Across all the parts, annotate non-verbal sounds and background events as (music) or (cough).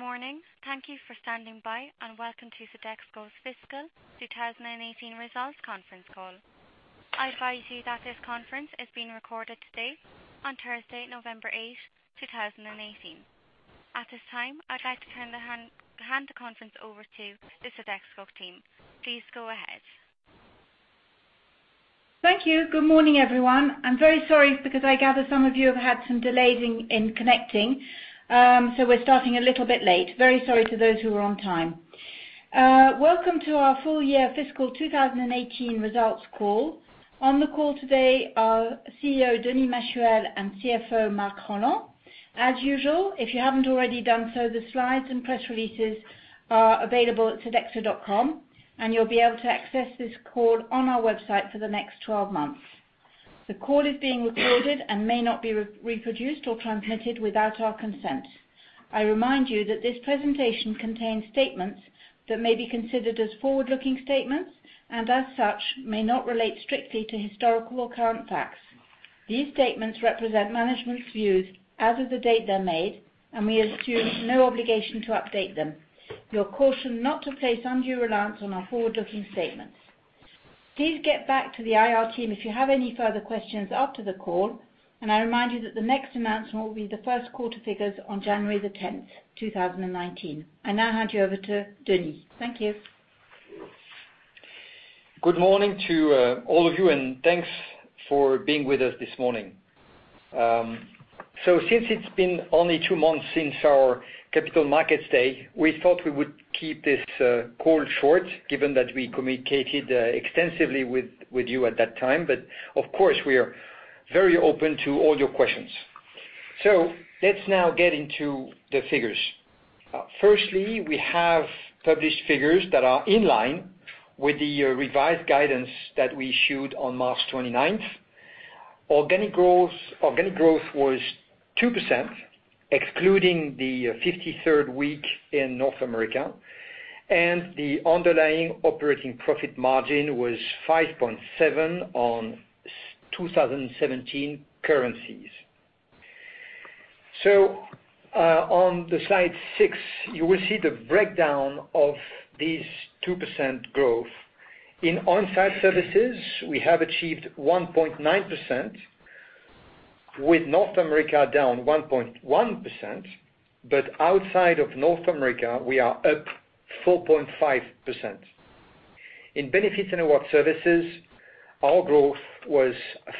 LmkMorning. Thank you for standing by, welcome to Sodexo's Fiscal 2018 Results Conference Call. I advise you that this conference is being recorded today on Thursday, November 8th, 2018. At this time, I'd like to hand the conference over to the Sodexo team. Please go ahead. Thank you. Good morning, everyone. I'm very sorry, because I gather some of you have had some delays in connecting. We're starting a little bit late. Very sorry to those who are on time. Welcome to our full year fiscal 2018 results call. On the call today are Chief Executive Officer, Denis Machuel, and Chief Financial Officer, Marc Rolland. As usual, if you haven't already done so, the slides and press releases are available at sodexo.com, you'll be able to access this call on our website for the next 12 months. The call is being recorded and may not be reproduced or transmitted without our consent. I remind you that this presentation contains statements that may be considered as forward-looking statements, as such, may not relate strictly to historical or current facts. These statements represent management's views as of the date they're made, we assume no obligation to update them. You are cautioned not to place undue reliance on our forward-looking statements. Please get back to the IR team if you have any further questions after the call, I remind you that the next announcement will be the first quarter figures on January the 10th, 2019. I now hand you over to Denis Machuel. Thank you. Good morning to all of you, thanks for being with us this morning. Since it's been only two months since our Capital Markets Day, we thought we would keep this call short, given that we communicated extensively with you at that time. Of course, we are very open to all your questions. Let's now get into the figures. Firstly, we have published figures that are in line with the revised guidance that we issued on March 29th. Organic growth was 2%, excluding the 53rd week in North America, the underlying operating profit margin was 5.7% on 2017 currencies. On the slide six, you will see the breakdown of this 2% growth. In On-site Services, we have achieved 1.9%, with North America down 1.1%, outside of North America, we are up 4.5%. In Benefits and Rewards Services, our growth was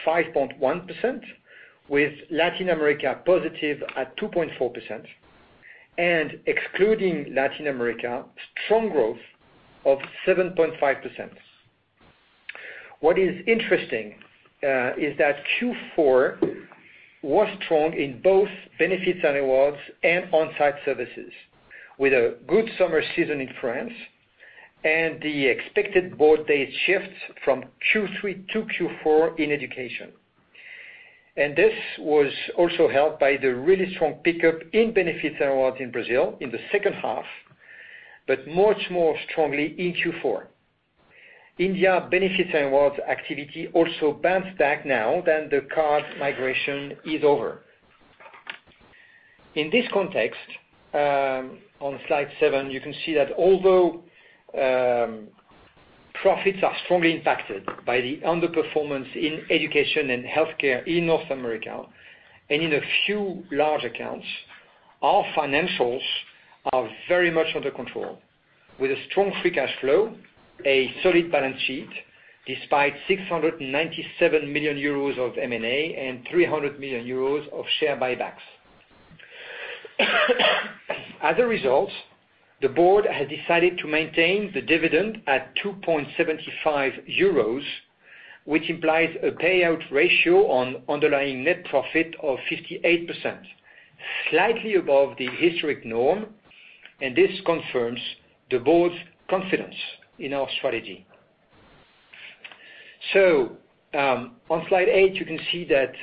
5.1%, with Latin America positive at 2.4%, and excluding Latin America, strong growth of 7.5%. What is interesting is that Q4 was strong in both Benefits and Rewards and On-site Services, with a good summer season in France and the expected board date shifts from Q3 to Q4 in education. This was also helped by the really strong pickup in Benefits and Rewards in Brazil in the second half, but much more strongly in Q4. India Benefits and Rewards activity also bounced back now that the card migration is over. In this context, on slide seven, you can see that although profits are strongly impacted by the underperformance in education and healthcare in North America and in a few large accounts, our financials are very much under control, with a strong free cash flow, a solid balance sheet, despite 697 million euros of M&A and 300 million euros of share buybacks. As a result, the board has decided to maintain the dividend at 2.75 euros, which implies a payout ratio on underlying net profit of 58%, slightly above the historic norm, and this confirms the board's confidence in our strategy. On slide eight, you can see that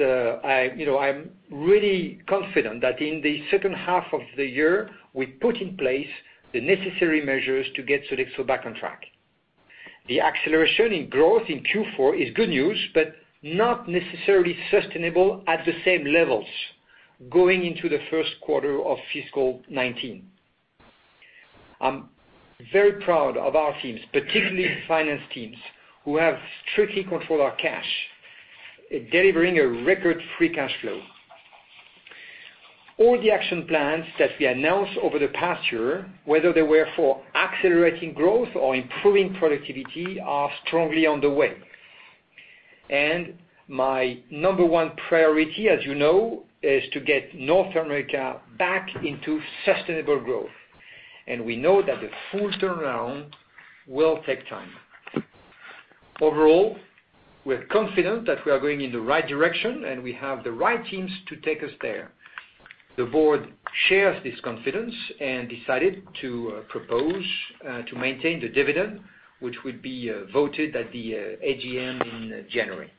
I'm really confident that in the second half of the year, we put in place the necessary measures to get Sodexo back on track. The acceleration in growth in Q4 is good news, but not necessarily sustainable at the same levels going into the first quarter of fiscal 2019. I'm very proud of our teams, particularly the finance teams, who have strictly controlled our cash, delivering a record free cash flow. All the action plans that we announced over the past year, whether they were for accelerating growth or improving productivity, are strongly on the way. My number one priority, as you know, is to get North America back into sustainable growth. We know that the full turnaround will take time. Overall, we're confident that we are going in the right direction, and we have the right teams to take us there. The board shares this confidence and decided to propose to maintain the dividend, which would be voted at the AGM in January.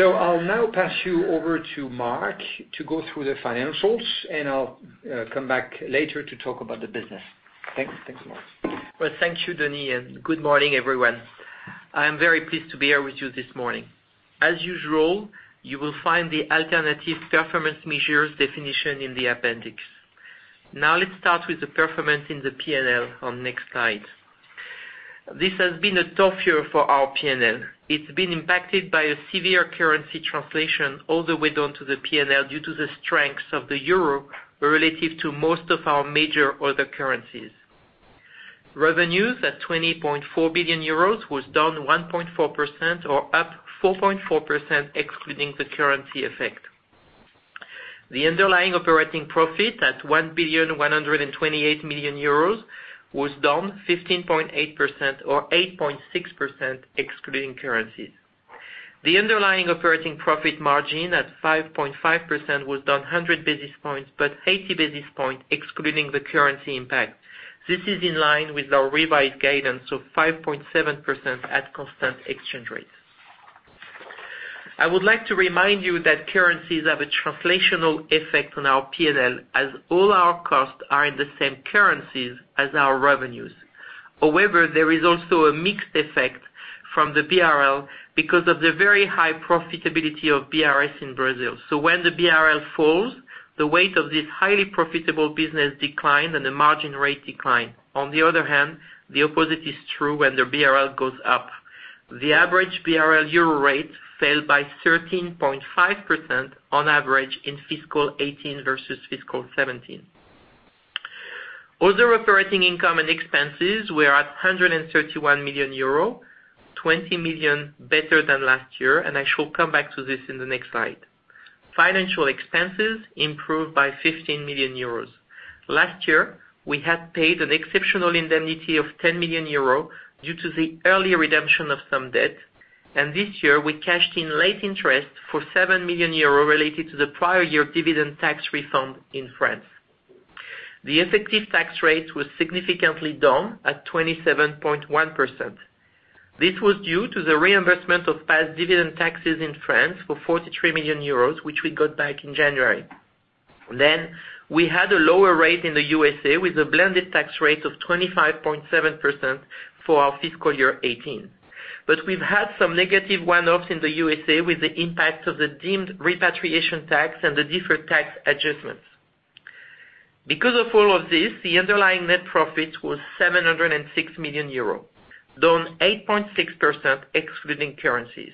I'll now pass you over to Marc Rolland to go through the financials, and I'll come back later to talk about the business. Thanks a lot. Well, thank you, Denis, and good morning, everyone. I am very pleased to be here with you this morning. As usual, you will find the alternative performance measures definition in the appendix. Let's start with the performance in the P&L on next slide. This has been a tough year for our P&L. It's been impacted by a severe currency translation all the way down to the P&L due to the strengths of the euro relative to most of our major other currencies. Revenues at 20.4 billion euros was down 1.4% or up 4.4%, excluding the currency effect. The underlying operating profit at 1.128 billion was down 15.8% or 8.6%, excluding currencies. The underlying operating profit margin at 5.5% was down 100 basis points, but 80 basis points excluding the currency impact. This is in line with our revised guidance of 5.7% at constant exchange rates. I would like to remind you that currencies have a translational effect on our P&L, as all our costs are in the same currencies as our revenues. There is also a mixed effect from the Brazilian Real because of the very high profitability of Benefits & Rewards Services in Brazil. When the BRL falls, the weight of this highly profitable business decline and the margin rate decline. The opposite is true when the BRL goes up. The average BRL euro rate fell by 13.5% on average in fiscal 2018 versus fiscal 2017. Other operating income and expenses were at 131 million euro, 20 million better than last year, and I shall come back to this in the next slide. Financial expenses improved by 15 million euros. Last year, we had paid an exceptional indemnity of 10 million euros due to the early redemption of some debt, and this year we cashed in late interest for 7 million euro related to the prior year dividend tax refund in France. The effective tax rate was significantly down at 27.1%. This was due to the reimbursement of past dividend taxes in France for 43 million euros, which we got back in January. We had a lower rate in the U.S.A. with a blended tax rate of 25.7% for our fiscal year 2018. We've had some negative one-offs in the U.S.A. with the impact of the deemed repatriation tax and the deferred tax adjustments. Because of all of this, the underlying net profit was 706 million euro, down 8.6%, excluding currencies.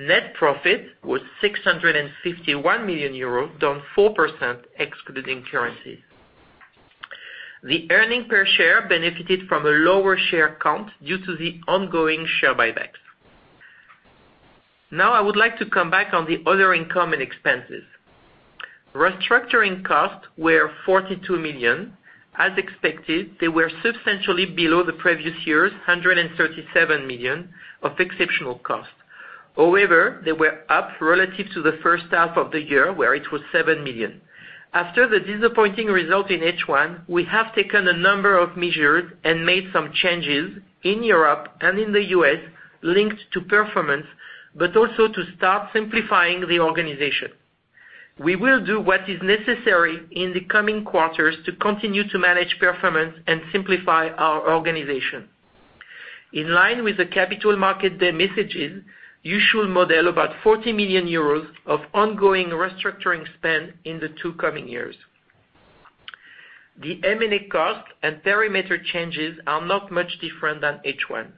Net profit was 651 million euros, down 4%, excluding currencies. The earnings per share benefited from a lower share count due to the ongoing share buybacks. I would like to come back on the other income and expenses. Restructuring costs were 42 million. As expected, they were substantially below the previous year's 137 million of exceptional cost. However, they were up relative to the first half of the year, where it was 7 million. After the disappointing result in H1, we have taken a number of measures and made some changes in Europe and in the U.S. linked to performance but also to start simplifying the organization. We will do what is necessary in the coming quarters to continue to manage performance and simplify our organization. In line with the Capital Markets Day messages, you should model about 40 million euros of ongoing restructuring spend in the two coming years. The M&A cost and perimeter changes are not much different than H1.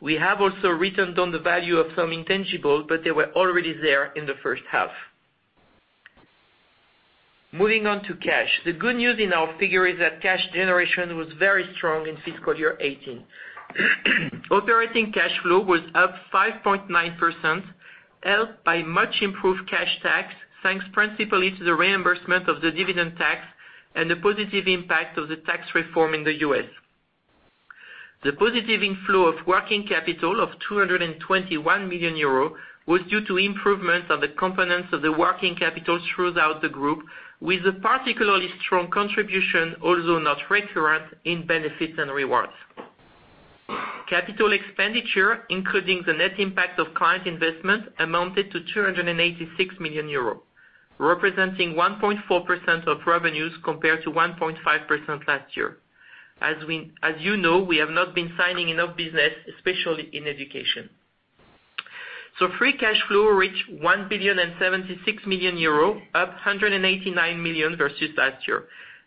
We have also written down the value of some intangibles, but they were already there in the first half. Moving on to cash. The good news in our figure is that cash generation was very strong in fiscal year 2018. Operating cash flow was up 5.9%, helped by much improved cash tax, thanks principally to the reimbursement of the dividend tax and the positive impact of the tax reform in the U.S. The positive inflow of working capital of 221 million euros was due to improvements of the components of the working capital throughout the group, with a particularly strong contribution, although not recurrent, in Benefits and Rewards. Capital expenditure, including the net impact of client investment, amounted to EUR 286 million, representing 1.4% of revenues compared to 1.5% last year. As you know, we have not been signing enough business, especially in education. Free cash flow reached 1,076 million euro, up 189 million versus last year.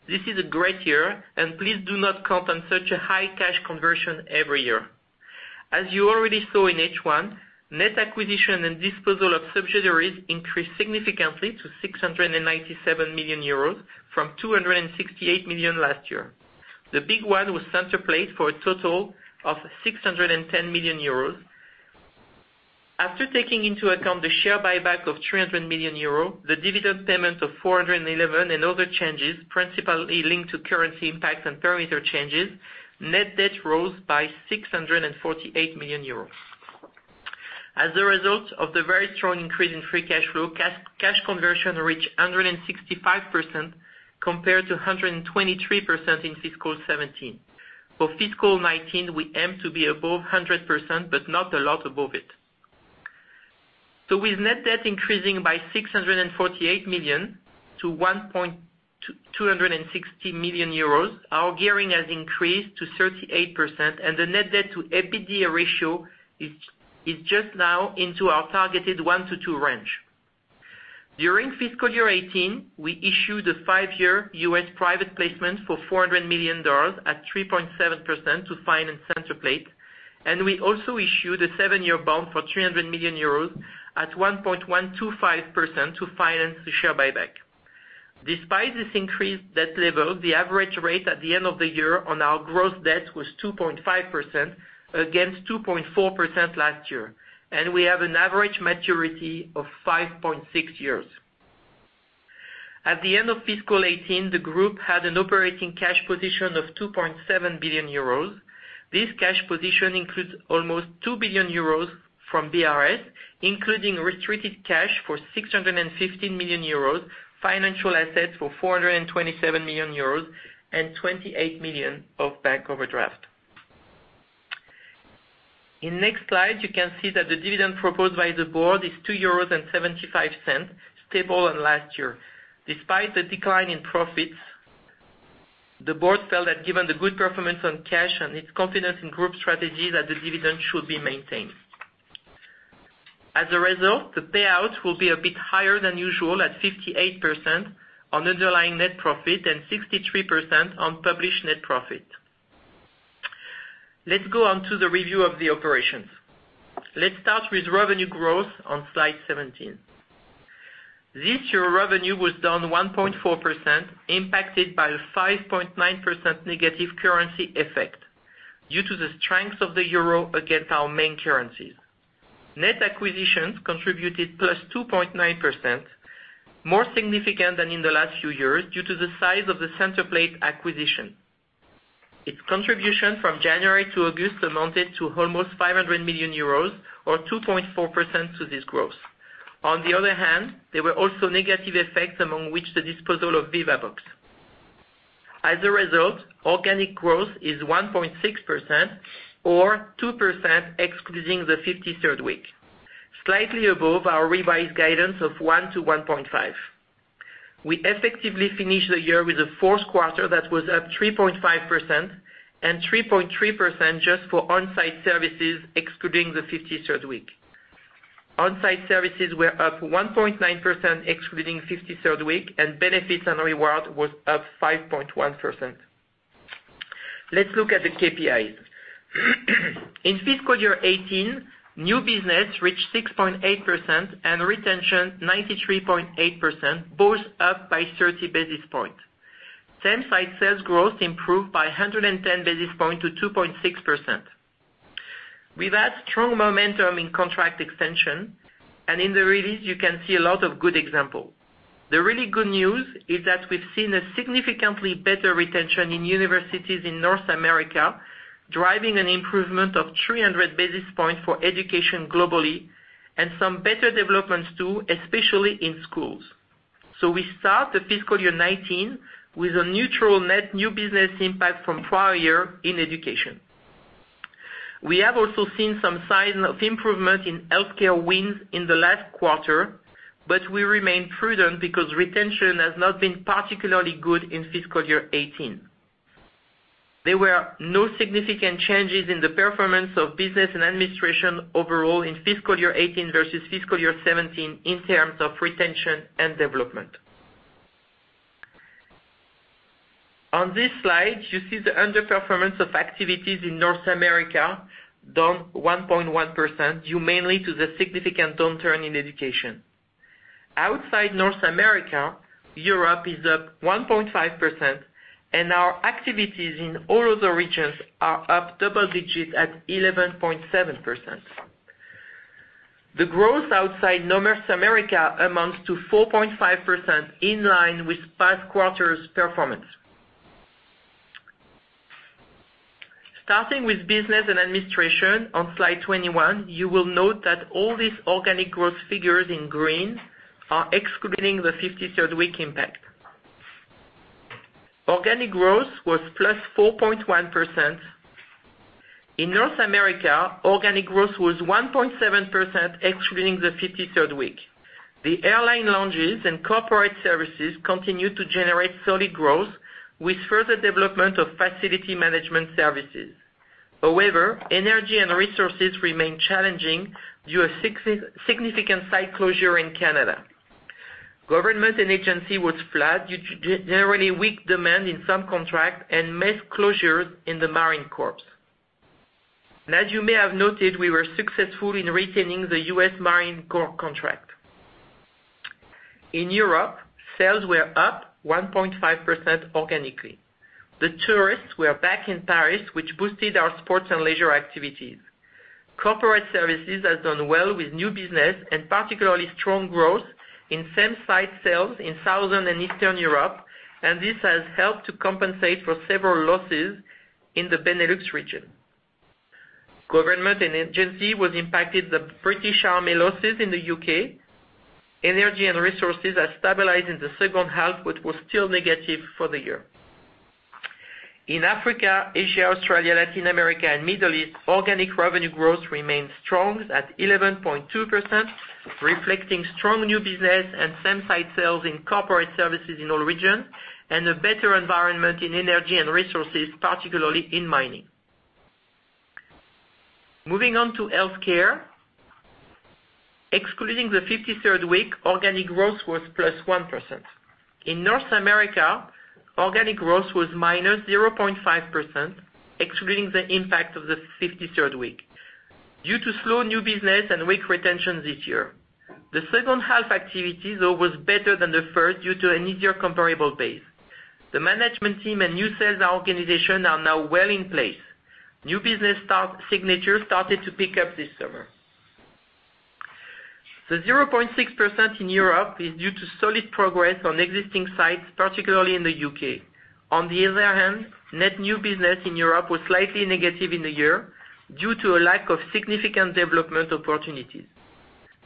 This is a great year, and please do not count on such a high cash conversion every year. As you already saw in H1, net acquisition and disposal of subsidiaries increased significantly to 697 million euros from 268 million last year. The big one was Centerplate for a total of 610 million euros. After taking into account the share buyback of 300 million euros, the dividend payment of 411 million and other changes principally linked to currency impacts and perimeter changes, net debt rose by 648 million euros. As a result of the very strong increase in free cash flow, cash conversion reached 165% compared to 123% in fiscal 2017. For fiscal 2019, we aim to be above 100%, but not a lot above it. With net debt increasing by 648 million to 1,260 million euros. Our gearing has increased to 38%, and the net debt to EBITDA ratio is just now into our targeted 1 to 2 range. During fiscal year 2018, we issued a five-year U.S. private placement for $400 million at 3.7% to finance Centerplate, and we also issued a seven-year bond for 300 million euros at 1.125% to finance the share buyback. Despite this increased debt level, the average rate at the end of the year on our gross debt was 2.5%, against 2.4% last year, and we have an average maturity of 5.6 years. At the end of fiscal 2018, the group had an operating cash position of 2.7 billion euros. This cash position includes almost 2 billion euros from BRS, including restricted cash for 615 million euros, financial assets for 427 million euros, and 28 million of bank overdraft. Next slide, you can see that the dividend proposed by the board is 2.75 euros, stable on last year. Despite the decline in profits, the board felt that given the good performance on cash and its confidence in group strategy, that the dividend should be maintained. As a result, the payout will be a bit higher than usual at 58% on underlying net profit and 63% on published net profit. Let's go on to the review of the operations. Let's start with revenue growth on slide 17. This year, revenue was down 1.4%, impacted by a 5.9% negative currency effect due to the strength of the euro against our main currencies. Net acquisitions contributed +2.9%, more significant than in the last few years due to the size of the Centerplate acquisition. Its contribution from January to August amounted to almost 500 million euros or 2.4% to this growth. On the other hand, there were also negative effects, among which the disposal of Vivabox. As a result, organic growth is 1.6% or 2% excluding the 53rd week, slightly above our revised guidance of 1%-1.5%. We effectively finished the year with a fourth quarter that was up 3.5% and 3.3% just for On-site Services, excluding the 53rd week. On-site Services were up 1.9% excluding 53rd week, and Benefits and Rewards was up 5.1%. Let's look at the key performance indicators. In fiscal year 2018, new business reached 6.8% and retention 93.8%, both up by 30 basis points. Same-site sales growth improved by 110 basis points to 2.6%. We've had strong momentum in contract extension, and in the release, you can see a lot of good examples. The really good news is that we've seen a significantly better retention in universities in North America, driving an improvement of 300 basis points for education globally and some better developments, too, especially in schools. We start the fiscal year 2019 with a neutral net new business impact from prior year in education. We have also seen some sign of improvement in healthcare wins in the last quarter, but we remain prudent because retention has not been particularly good in fiscal year 2018. There were no significant changes in the performance of Business and Administration overall in fiscal year 2018 versus fiscal year 2017 in terms of retention and development. On this slide, you see the underperformance of activities in North America down 1.1%, due mainly to the significant downturn in education. Outside North America, Europe is up 1.5%, and our activities in all other regions are up double digits at 11.7%. The growth outside North America amounts to 4.5%, in line with past quarters performance. Starting with Business and Administration on slide 21, you will note that all these organic growth figures in green are excluding the 53rd week impact. Organic growth was +4.1%. In North America, organic growth was 1.7% excluding the 53rd week. The airline lounges and corporate services continued to generate solid growth with further development of facility management services. However, Energy and Resources remain challenging due a significant site closure in Canada. Government and agency was flat due to generally weak demand in some contracts and mass closures in the Marine Corps. As you may have noted, we were successful in retaining the U.S. Marine Corps contract. In Europe, sales were up 1.5% organically. The tourists were back in Paris, which boosted our sports and leisure activities. Corporate services has done well with new business and particularly strong growth in same-site sales in Southern and Eastern Europe, and this has helped to compensate for several losses in the Benelux region. Government and agency was impacted. The British Army losses in the U.K. Energy and resources are stabilized in the second half, but was still negative for the year. In Africa, Asia, Australia, Latin America, and Middle East, organic revenue growth remains strong at 11.2%, reflecting strong new business and same-site sales in corporate services in all regions, and a better environment in energy and resources, particularly in mining. Moving on to healthcare. Excluding the 53rd week, organic growth was +1%. In North America, organic growth was -0.5%, excluding the impact of the 53rd week, due to slow new business and weak retention this year. The second half activities, though, was better than the first due to an easier comparable base. The management team and new sales organization are now well in place. New business signatures started to pick up this summer. The 0.6% in Europe is due to solid progress on existing sites, particularly in the U.K. On the other hand, net new business in Europe was slightly negative in the year, due to a lack of significant development opportunities.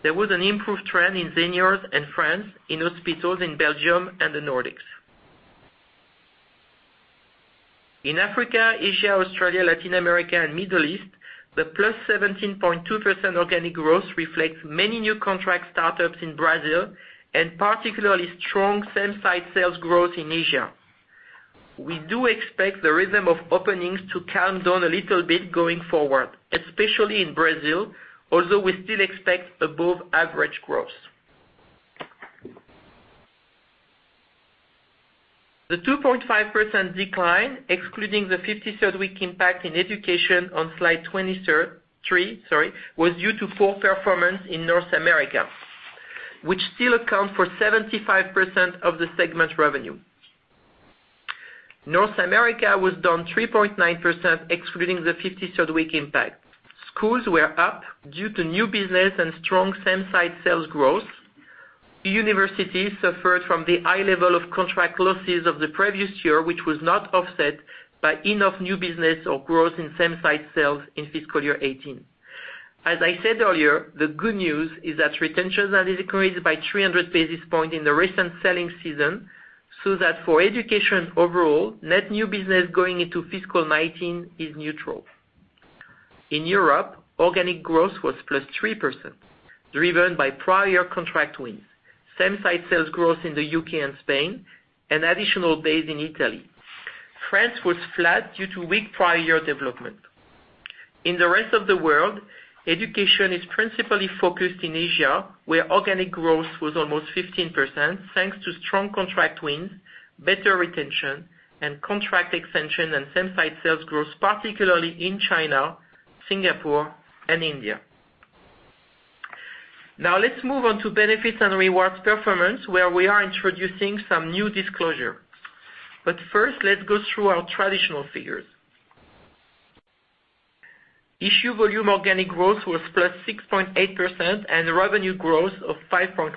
There was an improved trend in seniors and France, in hospitals in Belgium, and the Nordics. In Africa, Asia, Australia, Latin America, and Middle East, the +17.2% organic growth reflects many new contract startups in Brazil, and particularly strong same-site sales growth in Asia. We do expect the rhythm of openings to calm down a little bit going forward, especially in Brazil, although we still expect above-average growth. The 2.5% decline, excluding the 53rd week impact in education on slide 23, was due to poor performance in North America, which still accounts for 75% of the segment's revenue. North America was down 3.9%, excluding the 53rd week impact. Schools were up due to new business and strong same-site sales growth. Universities suffered from the high level of contract losses of the previous year, which was not offset by enough new business or growth in same-site sales in fiscal year 2018. As I said earlier, the good news is that retention has increased by 300 basis points in the recent selling season, so that for education overall, net new business going into fiscal 2019 is neutral. In Europe, organic growth was +3%, driven by prior contract wins, same-site sales growth in the U.K. and Spain, and additional days in Italy. France was flat due to weak prior year development. In the rest of the world, education is principally focused in Asia, where organic growth was almost 15%, thanks to strong contract wins, better retention, and contract extension and same-site sales growth, particularly in China, Singapore, and India. Now, let's move on to Benefits and Rewards performance, where we are introducing some new disclosure. First, let's go through our traditional figures. Issue volume organic growth was +6.8% and revenue growth of 5.1%.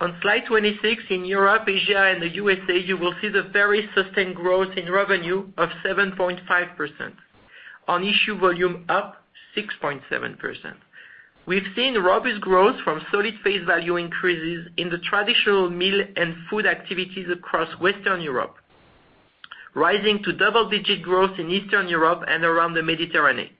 On slide 26, in Europe, Asia, and the USA, you will see the very sustained growth in revenue of 7.5%. On issue volume up 6.7%. We've seen robust growth from solid face value increases in the traditional meal and food activities across Western Europe, rising to double-digit growth in Eastern Europe and around the Mediterranean.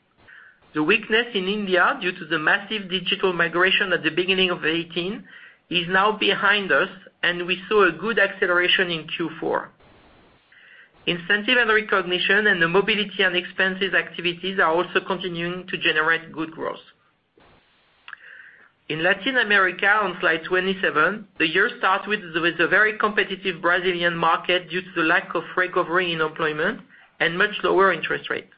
The weakness in India, due to the massive digital migration at the beginning of 2018, is now behind us, and we saw a good acceleration in Q4. Incentive and recognition and the mobility and expenses activities are also continuing to generate good growth. In Latin America, on slide 27, the year started with a very competitive Brazilian market due to the lack of recovery in employment and much lower interest rate.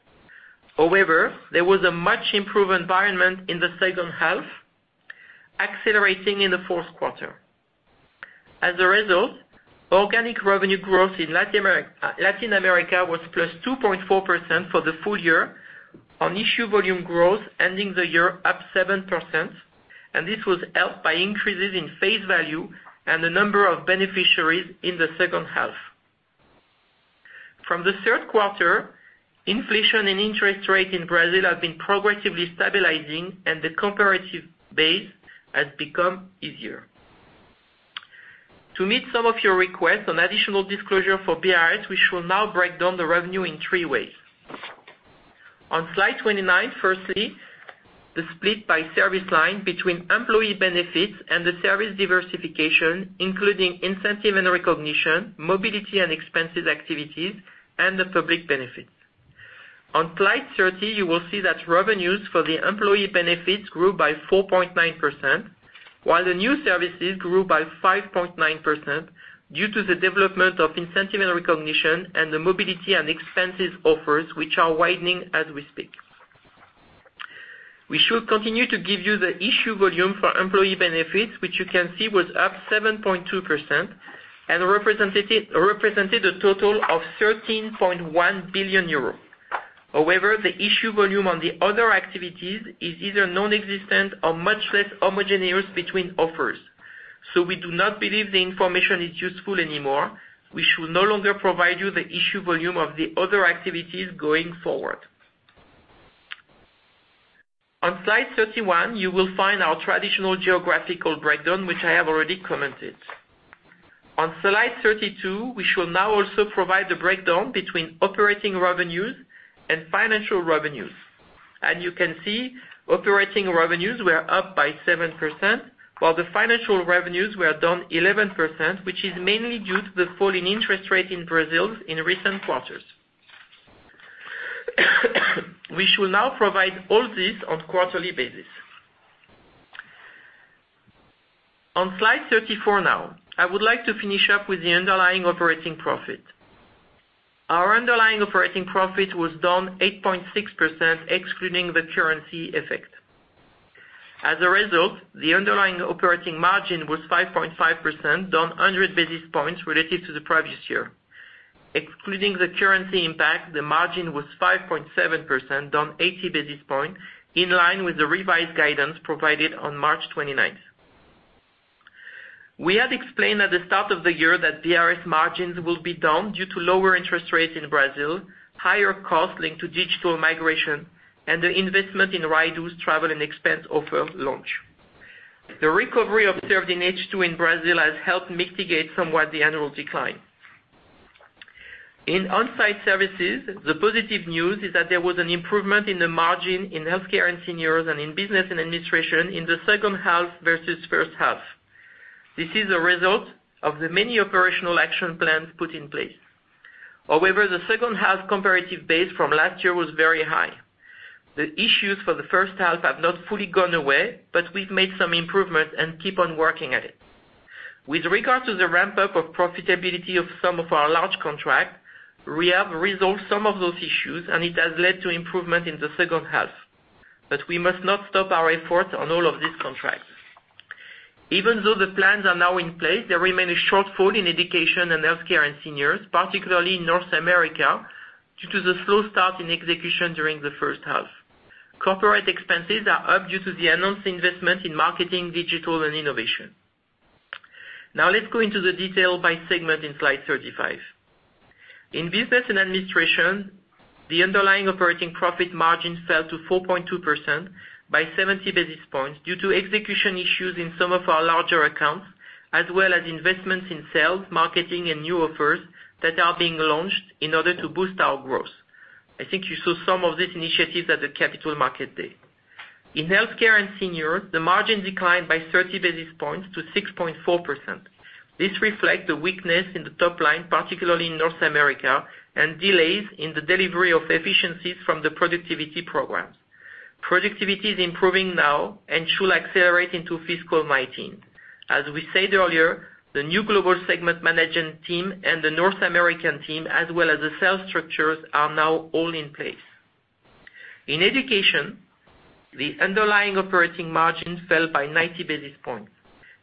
However, there was a much improved environment in the second half, accelerating in the fourth quarter. As a result, organic revenue growth in Latin America was +2.4% for the full year, on issue volume growth ending the year up 7%, and this was helped by increases in face value and the number of beneficiaries in the second half. From the third quarter, inflation and interest rate in Brazil have been progressively stabilizing, and the comparative base has become easier. To meet some of your requests on additional disclosure for benefits and rewards services, we shall now break down the revenue in three ways. On slide 29, firstly, the split by service line between employee benefits and the service diversification, including incentive and recognition, mobility and expenses activities, and the public benefits. On slide 30, you will see that revenues for the employee benefits grew by 4.9%, while the new services grew by 5.9% due to the development of incentive and recognition and the mobility and expenses offers, which are widening as we speak. We should continue to give you the issue volume for employee benefits, which you can see was up 7.2% and represented a total of 13.1 billion euros. We do not believe the information is useful anymore. We should no longer provide you the issue volume of the other activities going forward. On slide 31, you will find our traditional geographical breakdown, which I have already commented. On slide 32, we shall now also provide the breakdown between operating revenues and financial revenues. You can see operating revenues were up by 7%, while the financial revenues were down 11%, which is mainly due to the fall in interest rate in Brazil in recent quarters. We shall now provide all this on quarterly basis. On slide 34 now, I would like to finish up with the Underlying Operating Profit. Our Underlying Operating Profit was down 8.6%, excluding the currency effect. As a result, the underlying operating margin was 5.5%, down 100 basis points relative to the previous year. Excluding the currency impact, the margin was 5.7%, down 80 basis points, in line with the revised guidance provided on March 29th. We had explained at the start of the year that B&RS margins will be down due to lower interest rates in Brazil, higher costs linked to digital migration, and the investment in Rydoo's travel and expense offer launch. The recovery observed in H2 in Brazil has helped mitigate somewhat the annual decline. In On-site Services, the positive news is that there was an improvement in the margin in healthcare and seniors and in Business and Administration in the second half versus first half. This is a result of the many operational action plans put in place. However, the second half comparative base from last year was very high. The issues for the first half have not fully gone away, but we've made some improvements and keep on working at it. With regard to the ramp-up of profitability of some of our large contracts, we have resolved some of those issues, and it has led to improvement in the second half. We must not stop our efforts on all of these contracts. Even though the plans are now in place, there remain a shortfall in education and healthcare and seniors, particularly in North America, due to the slow start in execution during the first half. Corporate expenses are up due to the announced investment in marketing, digital and innovation. Now let's go into the detail by segment in slide 35. In Business and Administration, the Underlying Operating Profit margin fell to 4.2% by 70 basis points due to execution issues in some of our larger accounts, as well as investments in sales, marketing, and new offers that are being launched in order to boost our growth. I think you saw some of these initiatives at the Capital Markets Day. In healthcare and senior, the margin declined by 30 basis points to 6.4%. This reflects the weakness in the top line, particularly in North America, and delays in the delivery of efficiencies from the productivity program. Productivity is improving now and should accelerate into fiscal 2019. As we said earlier, the new global segment management team and the North American team, as well as the sales structures, are now all in place. In education, the Underlying Operating margin fell by 90 basis points.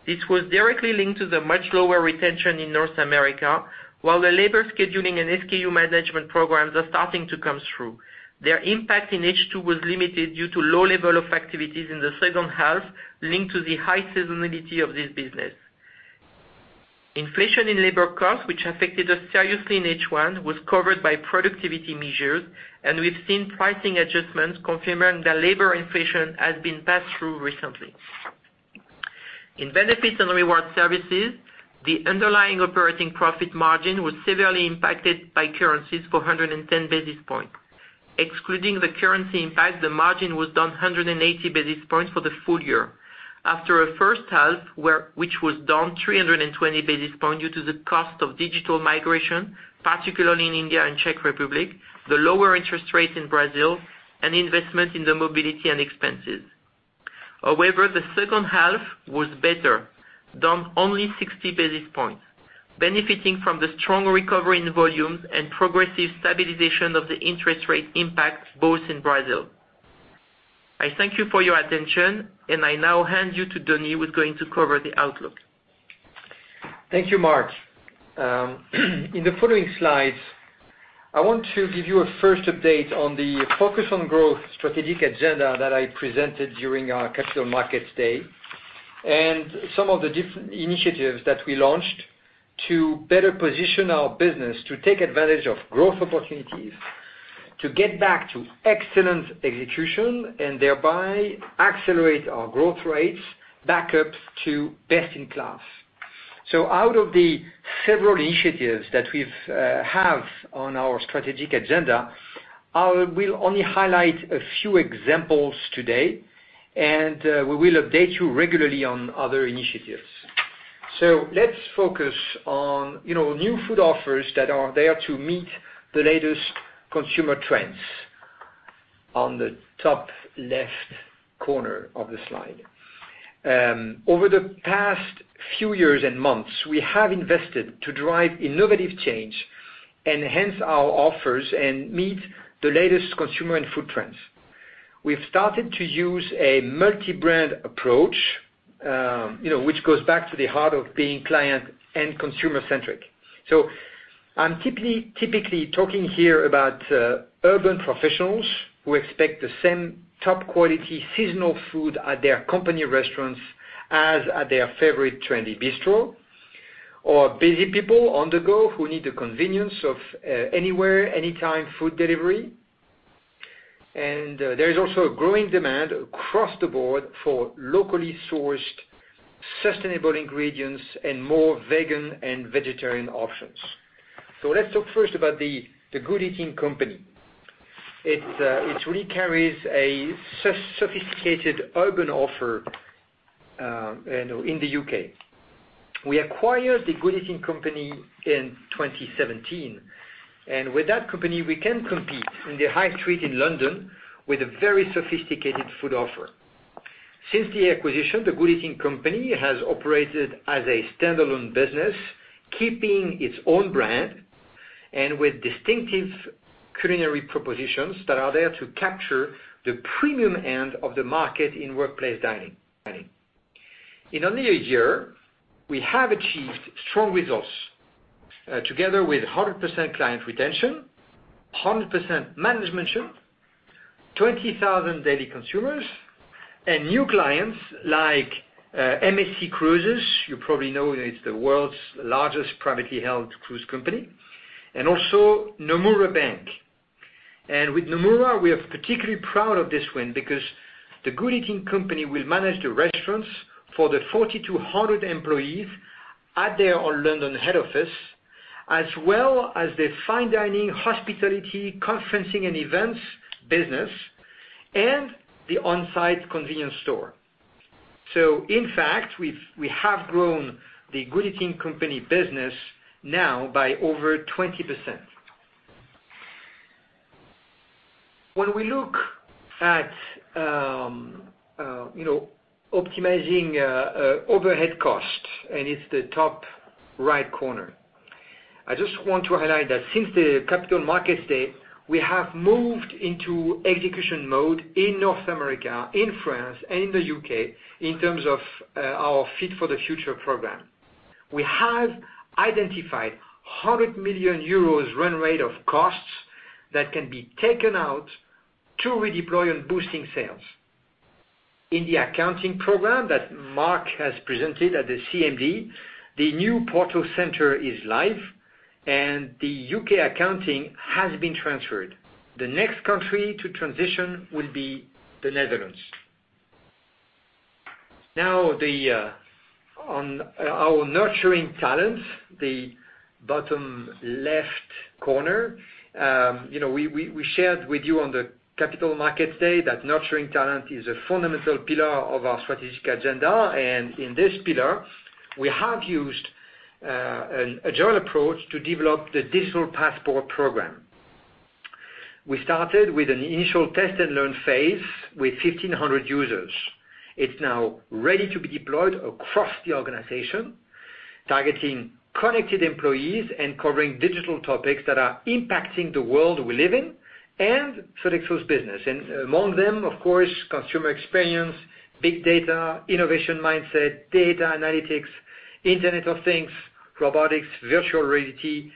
This was directly linked to the much lower retention in North America, while the labor scheduling and stock keeping unit management programs are starting to come through. Their impact in H2 was limited due to low level of activities in the second half, linked to the high seasonality of this business. Inflation in labor costs, which affected us seriously in H1, was covered by productivity measures, and we've seen pricing adjustments confirming that labor inflation has been passed through recently. In Benefits and Rewards Services, the Underlying Operating Profit margin was severely impacted by currencies for 110 basis points. Excluding the currency impact, the margin was down 180 basis points for the full year. After a first half which was down 320 basis points due to the cost of digital migration, particularly in India and Czech Republic, the lower interest rates in Brazil, and investment in the mobility and expenses. The second half was better, down only 60 basis points, benefiting from the strong recovery in volumes and progressive stabilization of the interest rate impact both in Brazil. I thank you for your attention, and I now hand you to Denis, who's going to cover the outlook. Thank you, Marc. In the following slides, I want to give you a first update on the Focus on Growth strategic agenda that I presented during our Capital Markets Day, and some of the different initiatives that we launched to better position our business to take advantage of growth opportunities, to get back to excellent execution, and thereby accelerate our growth rates back up to best in class. Out of the several initiatives that we've have on our strategic agenda, I will only highlight a few examples today, and we will update you regularly on other initiatives. Let's focus on new food offers that are there to meet the latest consumer trends on the top left corner of the slide. Over the past few years and months, we have invested to drive innovative change, enhance our offers, and meet the latest consumer and food trends. We've started to use a multi-brand approach, which goes back to the heart of being client and consumer centric. I'm typically talking here about urban professionals who expect the same top-quality, seasonal food at their company restaurants as at their favorite trendy bistro. Busy people on the go who need the convenience of anywhere, anytime food delivery. And there is also a growing demand across the board for locally sourced, sustainable ingredients, and more vegan and vegetarian options. Let's talk first about the Good Eating Company. It really carries a sophisticated urban offer in the U.K. We acquired the Good Eating Company in 2017. And with that company, we can compete in the high street in London with a very sophisticated food offer. Since the acquisition, the Good Eating Company has operated as a standalone business, keeping its own brand, and with distinctive culinary propositions that are there to capture the premium end of the market in workplace dining. In only a year, we have achieved strong results, together with 100% client retention, 100% managementship, 20,000 daily consumers, and new clients like MSC Cruises. You probably know, it's the world's largest privately held cruise company, and also Nomura Bank. And with Nomura, we are particularly proud of this win because the Good Eating Company will manage the restaurants for the 4,200 employees at their London head office, as well as their fine dining, hospitality, conferencing, and events business, and the onsite convenience store. In fact, we have grown the Good Eating Company business now by over 20%. When we look at optimizing overhead cost, and it's the top right corner, I just want to highlight that since the Capital Markets Day, we have moved into execution mode in North America, in France, and in the U.K., in terms of our Fit for the Future program. We have identified 100 million euros run rate of costs that can be taken out to redeploy on boosting sales. In the accounting program that Marc has presented at the CMD, the new Porto center is live, and the U.K. accounting has been transferred. The next country to transition will be the Netherlands. On our nurturing talent, the bottom left corner. We shared with you on the Capital Markets Day that nurturing talent is a fundamental pillar of our strategic agenda. In this pillar, we have used an agile approach to develop the Digital Passport program. We started with an initial test-and-learn phase with 1,500 users. It's now ready to be deployed across the organization, targeting connected employees and covering digital topics that are impacting the world we live in and Sodexo's business. Among them, of course, consumer experience, big data, innovation mindset, data analytics, Internet of Things, robotics, virtual reality,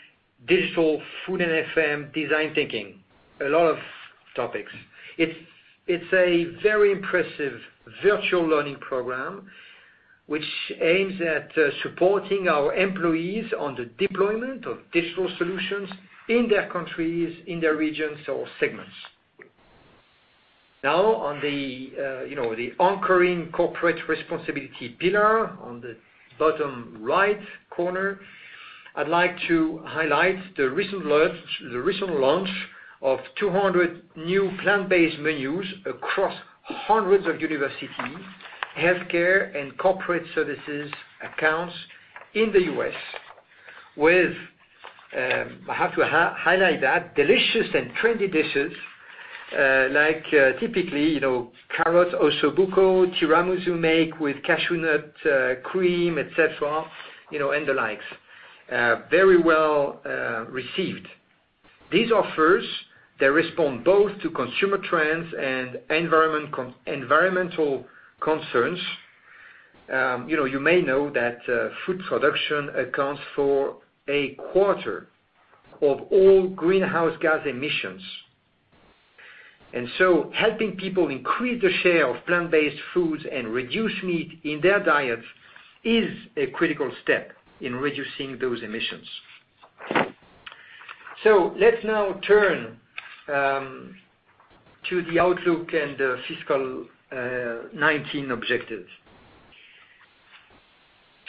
digital food and facilities management, design thinking. A lot of topics. It's a very impressive virtual learning program, which aims at supporting our employees on the deployment of digital solutions in their countries, in their regions or segments. Now, on the anchoring corporate responsibility pillar on the bottom right corner, I'd like to highlight the recent launch of 200 new plant-based menus across hundreds of universities, healthcare, and corporate services accounts in the U.S., with, I have to highlight that, delicious and trendy dishes like typically, carrot osso buco, tiramisu made with cashew nut cream, et cetera, and the likes. Very well received. These offers, they respond both to consumer trends and environmental concerns. You may know that food production accounts for a quarter of all greenhouse gas emissions. Helping people increase the share of plant-based foods and reduce meat in their diets is a critical step in reducing those emissions. Let's now turn to the outlook and the fiscal 2019 objectives.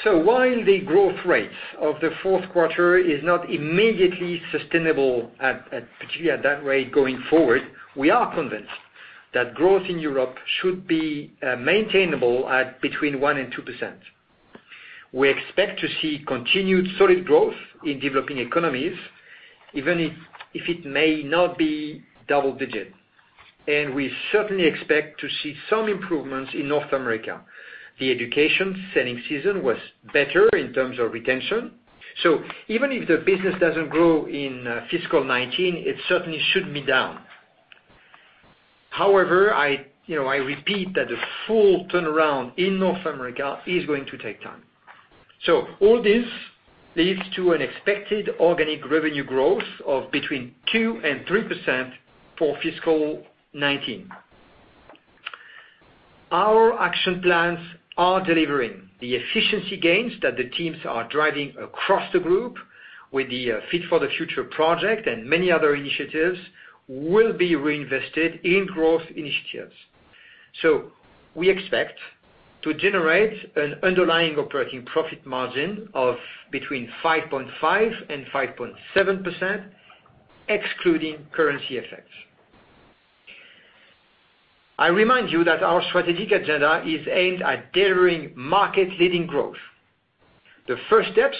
While the growth rates of the fourth quarter is not immediately sustainable at particularly that rate going forward, we are convinced that growth in Europe should be maintainable at between 1% and 2%. We expect to see continued solid growth in developing economies, even if it may not be double digit. We certainly expect to see some improvements in North America. The education selling season was better in terms of retention. Even if the business doesn't grow in fiscal 2019, it certainly shouldn't be down. However, I repeat that the full turnaround in North America is going to take time. All this leads to an expected organic revenue growth of between 2% and 3% for fiscal 2019. Our action plans are delivering the efficiency gains that the teams are driving across the group with the Fit for the Future project and many other initiatives will be reinvested in growth initiatives. We expect to generate an underlying operating profit margin of between 5.5% and 5.7%, excluding currency effects. I remind you that our strategic agenda is aimed at delivering market-leading growth. The first steps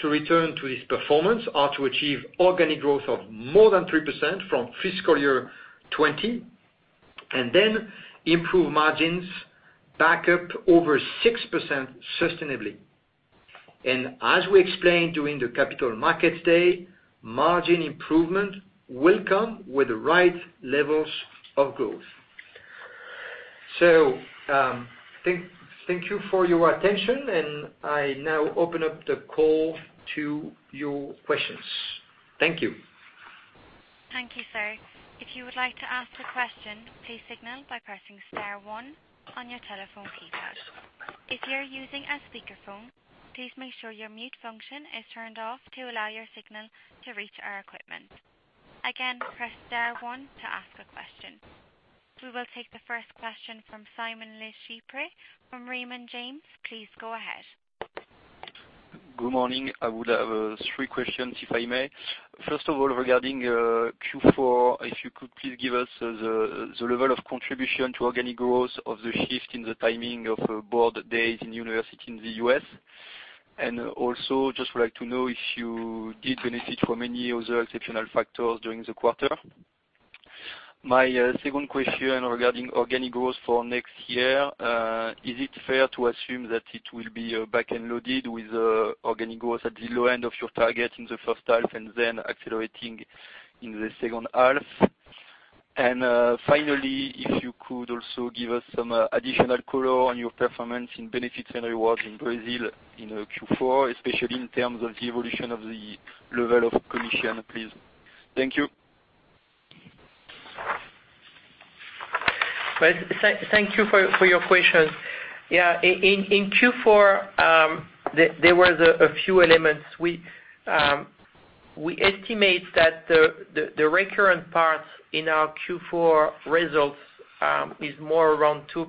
to return to this performance are to achieve organic growth of more than 3% from fiscal year 2020, and then improve margins back up over 6% sustainably. As we explained during the Capital Markets Day, margin improvement will come with the right levels of growth. Thank you for your attention, and I now open up the call to your questions. Thank you. Thank you, sir. If you would like to ask a question, please signal by pressing star one on your telephone keypad. If you are using a speakerphone, please make sure your mute function is turned off to allow your signal to reach our equipment. Again, press star one to ask a question. We will take the first question from Simon Leopold from Raymond James. Please go ahead. Good morning. I would have three questions, if I may. First of all, regarding Q4, if you could please give us the level of contribution to organic growth of the shift in the timing of board days in university in the U.S. Also, just would like to know if you did benefit from any other exceptional factors during the quarter? My second question regarding organic growth for next year, is it fair to assume that it will be back-end loaded with organic growth at the low end of your target in the first half and then accelerating in the second half? Finally, if you could also give us some additional color on your performance in Benefits and Rewards in Brazil in Q4, especially in terms of the evolution of the level of commission, please? Thank you. Well, thank you for your question. Yeah, in Q4, there was a few elements. We estimate that the recurrent parts in our Q4 results is more around 2%.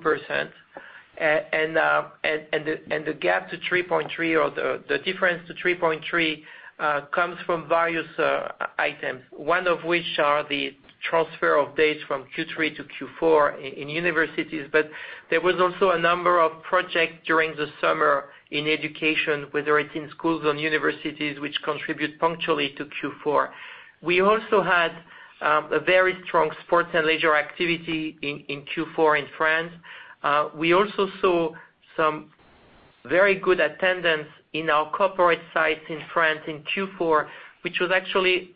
The gap to 3.3% or the difference to 3.3% comes from various items, one of which are the transfer of dates from Q3 to Q4 in universities. There was also a number of projects during the summer in education, whether it's in schools or in universities, which contribute punctually to Q4. We also had a very strong sports and leisure activity in Q4 in France. We also saw some very good attendance in our corporate sites in France in Q4, which was actually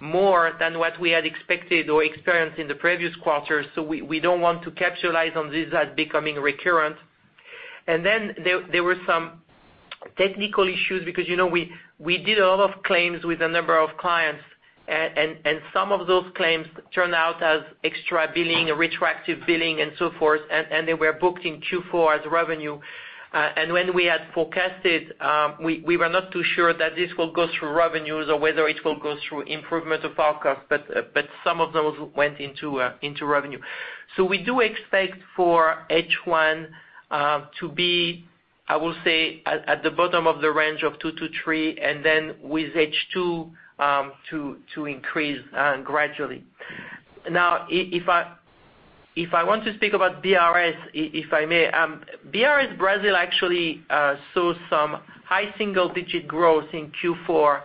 more than what we had expected or experienced in the previous quarters. We don't want to capitalize on this as becoming recurrent. Then there were some technical issues because we did a lot of claims with a number of clients, and some of those claims turned out as extra billing, retroactive billing, and so forth, and they were booked in Q4 as revenue. When we had forecasted, we were not too sure that this will go through revenues or whether it will go through improvement of outcome, but some of those went into revenue. We do expect for H1 to be, I will say, at the bottom of the range of 2%-3%, and then with H2, to increase gradually. Now, if I want to speak about BRS, if I may. BRS Brazil actually saw some high single-digit growth in Q4,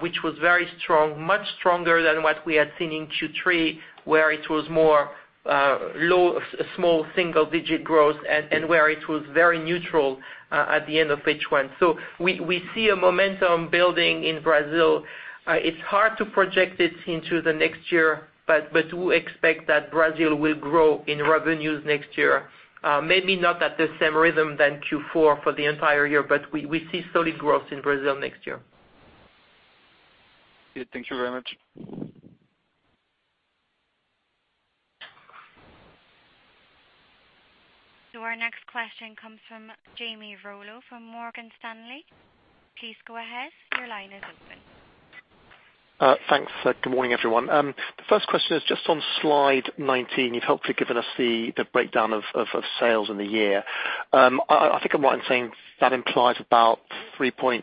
which was very strong, much stronger than what we had seen in Q3, where it was more low, small, single-digit growth, and where it was very neutral at the end of H1. We see a momentum building in Brazil. It's hard to project it into the next year, but we expect that Brazil will grow in revenues next year. Maybe not at the same rhythm than Q4 for the entire year, but we see solid growth in Brazil next year. Yeah. Thank you very much. Our next question comes from Jamie Rollo from Morgan Stanley. Please go ahead. Your line is open. Thanks. Good morning, everyone. The first question is just on slide 19. You've helpfully given us the breakdown of sales in the year. I think I'm right in saying that implies about 3.2%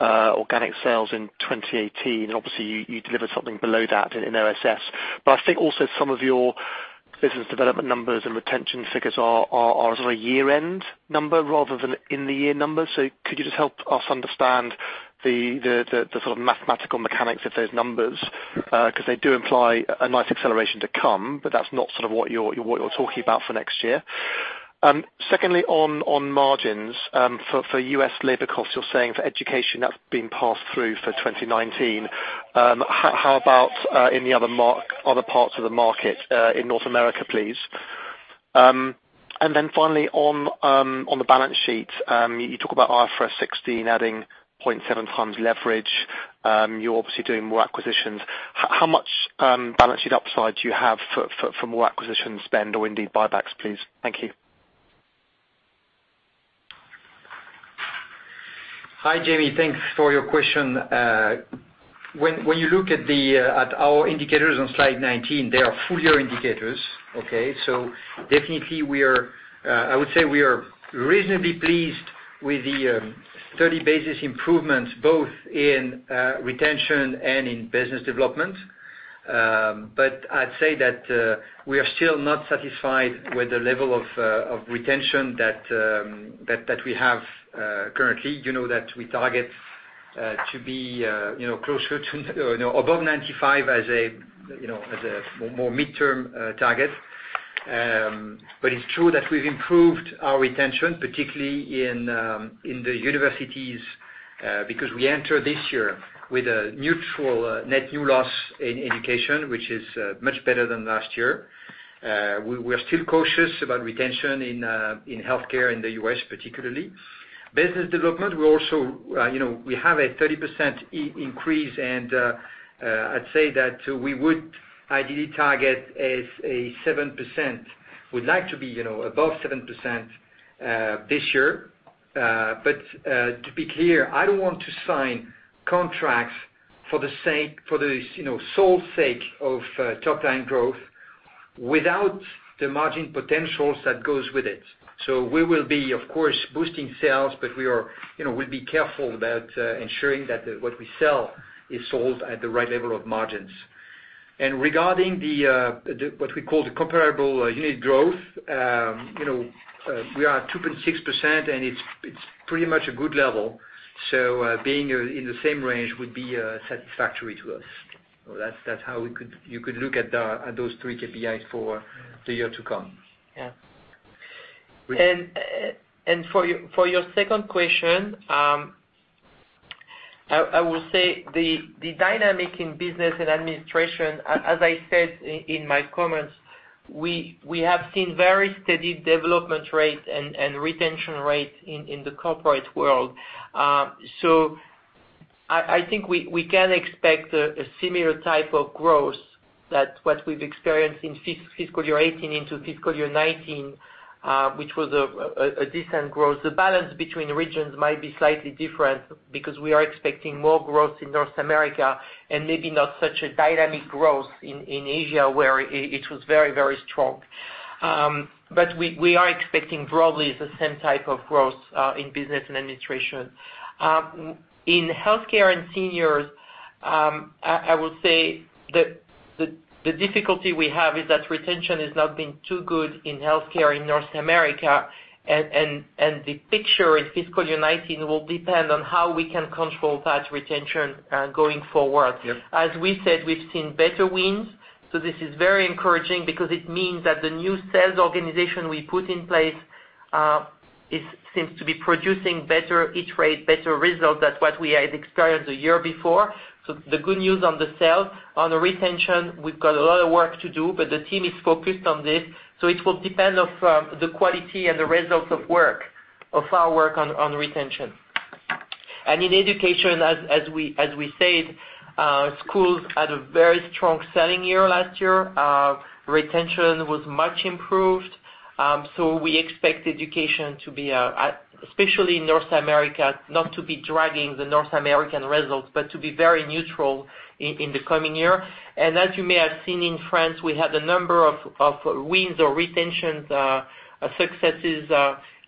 organic sales in 2018. Obviously, you delivered something below that in on-site services. I think also some of your business development numbers and retention figures are sort of a year-end number rather than in the year numbers. Could you just help us understand the sort of mathematical mechanics of those numbers? Because they do imply a nice acceleration to come, but that's not sort of what you're talking about for next year. Secondly, on margins, for U.S. labor costs, you're saying for education, that's been passed through for 2019. How about in the other parts of the market in North America, please? Finally, on the balance sheet, you talk about IFRS 16 adding 0.7x leverage. You are obviously doing more acquisitions. How much balance sheet upside do you have for more acquisition spend or indeed buybacks, please? Thank you. Hi, Jamie. Thanks for your question. When you look at our indicators on slide 19, they are full year indicators, okay? Definitely, I would say we are reasonably pleased with the 30 basis improvements both in retention and in business development. I would say that we are still not satisfied with the level of retention that we have currently. You know that we target to be above 95 as a more midterm target. It is true that we have improved our retention, particularly in the universities, because we entered this year with a neutral net new loss in education, which is much better than last year. We are still cautious about retention in healthcare in the U.S., particularly. Business development, we have a 30% increase, and I would say that we would ideally target as a 7%. We would like to be above 7% this year. To be clear, I do not want to sign contracts for the sole sake of top-line growth without the margin potentials that goes with it. We will be, of course, boosting sales, but we will be careful about ensuring that what we sell is sold at the right level of margins. Regarding what we call the comparable unit growth, we are at 2.6%, and it is pretty much a good level. Being in the same range would be satisfactory to us. That is how you could look at those three KPIs for the year to come. Yeah. For your second question, I will say the dynamic in business and administration, as I said in my comments, we have seen very steady development rates and retention rates in the corporate world. I think we can expect a similar type of growth that what we have experienced in fiscal year 2018 into fiscal year 2019, which was a decent growth. The balance between regions might be slightly different because we are expecting more growth in North America and maybe not such a dynamic growth in Asia, where it was very strong. We are expecting broadly the same type of growth in business and administration. In healthcare and seniors, I would say the difficulty we have is that retention has not been too good in healthcare in North America, and the picture in fiscal year 2019 will depend on how we can control that retention going forward. Yep. We've seen better wins, this is very encouraging because it means that the new sales organization we put in place seems to be producing better results than what we had experienced the year before. The good news on the sales. On the retention, we've got a lot of work to do, but the team is focused on this, so it will depend on the quality and the results of our work on retention. In education, as we said, schools had a very strong selling year last year. Retention was much improved. We expect education, especially in North America, not to be dragging the North American results, but to be very neutral in the coming year. As you may have seen in France, we had a number of wins or retention successes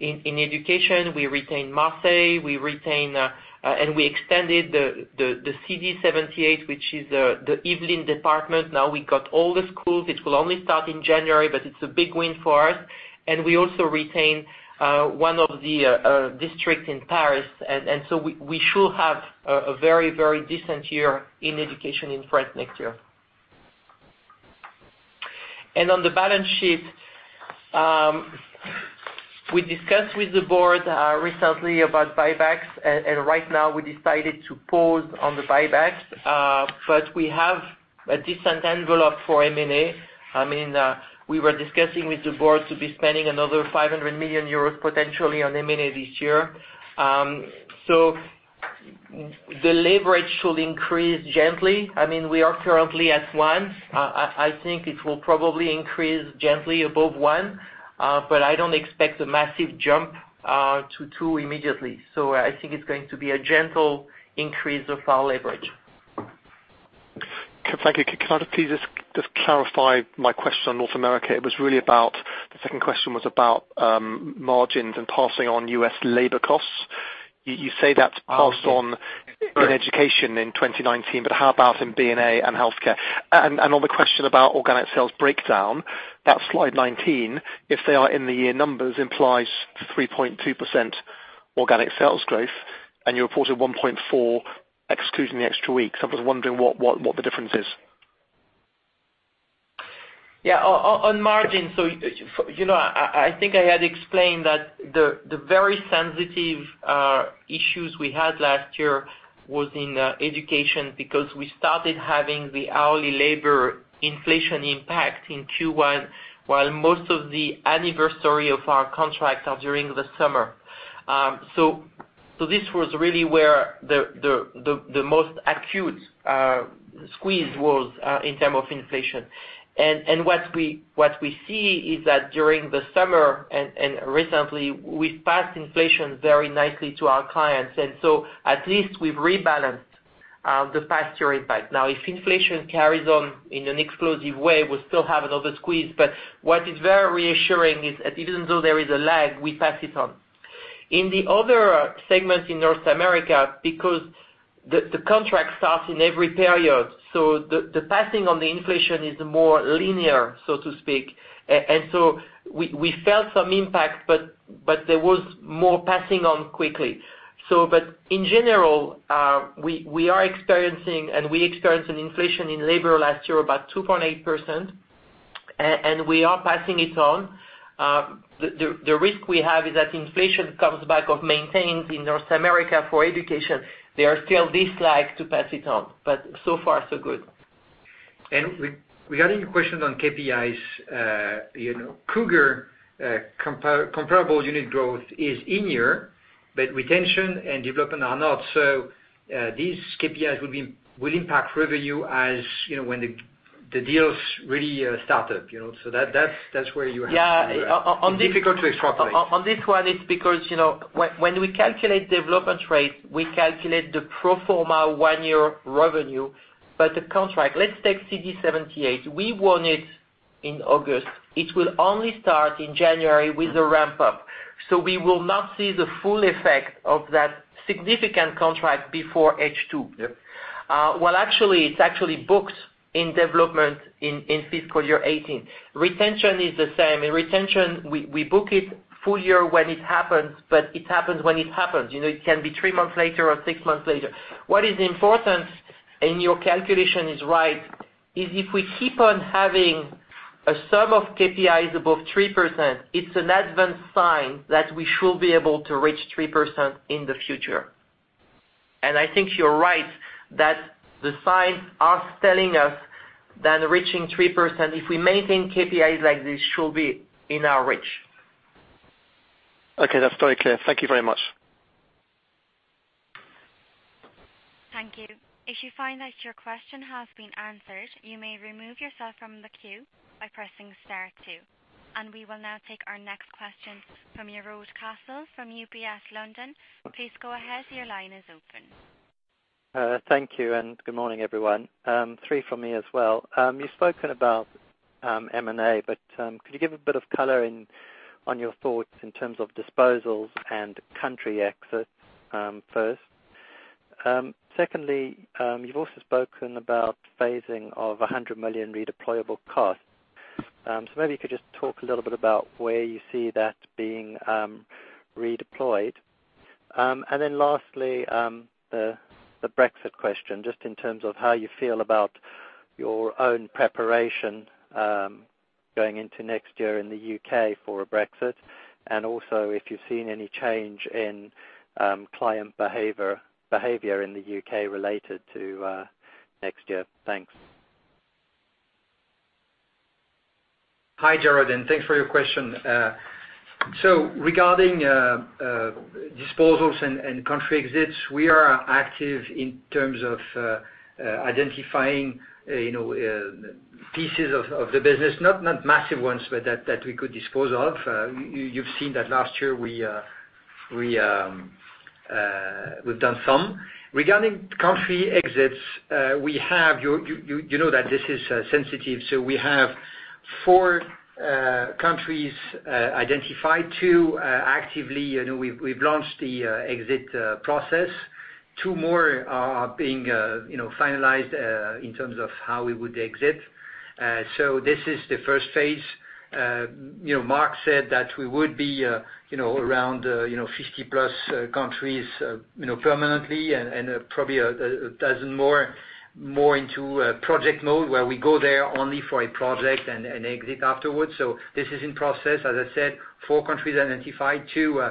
in education. We retained Marseille, we extended the CD78, which is the Yvelines department. Now we got all the schools. It will only start in January, but it's a big win for us. We also retained one of the districts in Paris, we should have a very decent year in education in France next year. On the balance sheet, we discussed with the board recently about buybacks, right now we decided to pause on the buybacks. We have a decent envelope for M&A. We were discussing with the board to be spending another 500 million euros potentially on M&A this year. The leverage should increase gently. We are currently at one. I think it will probably increase gently above one, but I don't expect a massive jump to two immediately. I think it's going to be a gentle increase of our leverage. Thank you. Can I please just clarify my question on North America? The second question was about margins and passing on U.S. labor costs. You say that's passed on in education in 2019, but how about in B&A and healthcare? On the question about organic sales breakdown, that slide 19, if they are in the year numbers, implies 3.2% organic sales growth, and you reported 1.4% excluding the extra week. I was wondering what the difference is. Yeah. On margin, I think I had explained that the very sensitive issues we had last year was in education because we started having the hourly labor inflation impact in Q1 while most of the anniversary of our contracts are during the summer. This was really where the most acute squeeze was in terms of inflation. What we see is that during the summer and recently, we passed inflation very nicely to our clients. At least we've rebalanced the past year impact. Now, if inflation carries on in an explosive way, we'll still have another squeeze, but what is very reassuring is that even though there is a lag, we pass it on. In the other segments in North America, because the contract starts in every period, the passing on the inflation is more linear, so to speak. We felt some impact, but there was more passing on quickly. In general, we are experiencing and we experienced an inflation in labor last year about 2.8%, and we are passing it on. The risk we have is that inflation comes back or maintains in North America for education. There are still this lag to pass it on, so far so good. Regarding your questions on KPIs, CUG comparable unit growth is in year, retention and development are not. These KPIs will impact revenue as when the deals really start up. That's where you have (crosstalk) it's difficult to extrapolate. On this one, it's because when we calculate development rate, we calculate the pro forma one-year revenue, but the contract. Let's take CD78. We won it in August. It will only start in January with the ramp-up. We will not see the full effect of that significant contract before H2. Well, actually, it's actually booked in development in fiscal year 2018. Retention is the same. In retention, we book it full year when it happens, but it happens when it happens. It can be three months later or six months later. What is important, and your calculation is right, is if we keep on having a sum of KPIs above 3%, it's an advanced sign that we should be able to reach 3% in the future. I think you're right, that the signs are telling us that reaching 3%, if we maintain KPIs like this, should be in our reach. Okay, that's very clear. Thank you very much. Thank you. If you find that your question has been answered, you may remove yourself from the queue by pressing star two. We will now take our next question from Jarrod Castle from UBS, London. Please go ahead. Your line is open. Thank you, good morning, everyone. Three from me as well. You've spoken about M&A, could you give a bit of color on your thoughts in terms of disposals and country exits first? Secondly, you've also spoken about phasing of 100 million redeployable costs. Maybe you could just talk a little bit about where you see that being redeployed? Lastly, the Brexit question, just in terms of how you feel about your own preparation going into next year in the U.K. for a Brexit, and also if you've seen any change in client behavior in the U.K. related to next year. Thanks. Hi, Jarrod, thanks for your question. Regarding disposals and country exits, we are active in terms of identifying pieces of the business, not massive ones, but that we could dispose of. You've seen that last year we've done some. Regarding country exits, you know that this is sensitive, we have four countries identified. Two, actively, we've launched the exit process. Two more are being finalized in terms of how we would exit. This is the first phase. Marc said that we would be around 50+ countries permanently and probably a dozen more into project mode, where we go there only for a project and exit afterwards. This is in process. As I said, four countries identified, two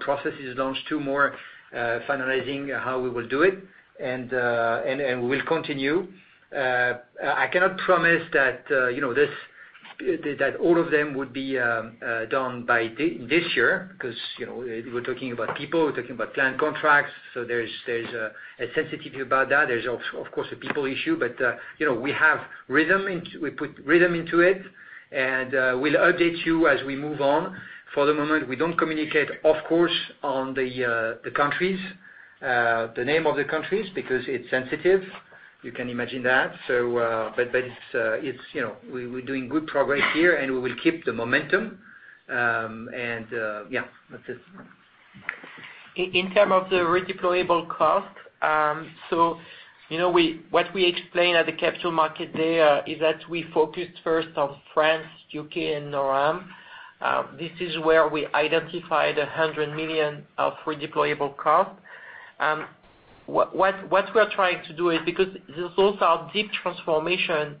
processes launched, two more finalizing how we will do it. We will continue. I cannot promise that all of them would be done by this year, because we're talking about people, we're talking about client contracts. There's a sensitivity about that. There's of course a people issue, we put rhythm into it, and we'll update you as we move on. For the moment, we don't communicate, of course, on the name of the countries because it's sensitive. You can imagine that. We're doing good progress here, and we will keep the momentum. Yeah, that's it. In term of the redeployable cost, what we explained at the Capital Markets Day is that we focused first on France, U.K., and North America. This is where we identified 100 million of redeployable cost. What we are trying to do is, because those are deep transformation.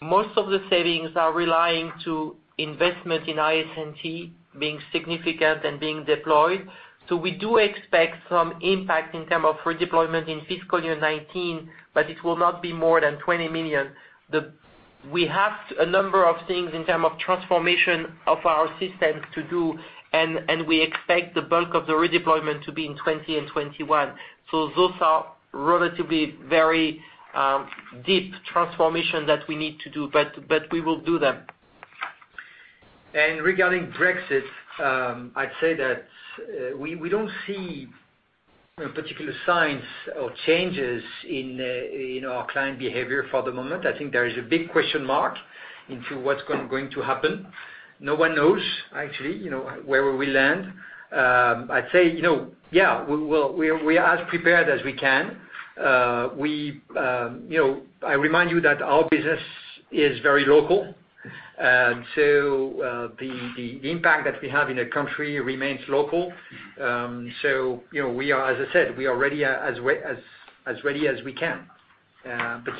Most of the savings are relying to investment in Information Services and Technology being significant and being deployed. We do expect some impact in term of redeployment in fiscal year 2019, but it will not be more than 20 million. We have a number of things in term of transformation of our systems to do, and we expect the bulk of the redeployment to be in 2020 and 2021. Those are relatively very deep transformation that we need to do, but we will do them. Regarding Brexit, I'd say that we don't see particular signs or changes in our client behavior for the moment. I think there is a big question mark into what's going to happen. No one knows actually, where we will land. I'd say, yeah, we are as prepared as we can. I remind you that our business is very local. The impact that we have in a country remains local. As I said, we are as ready as we can.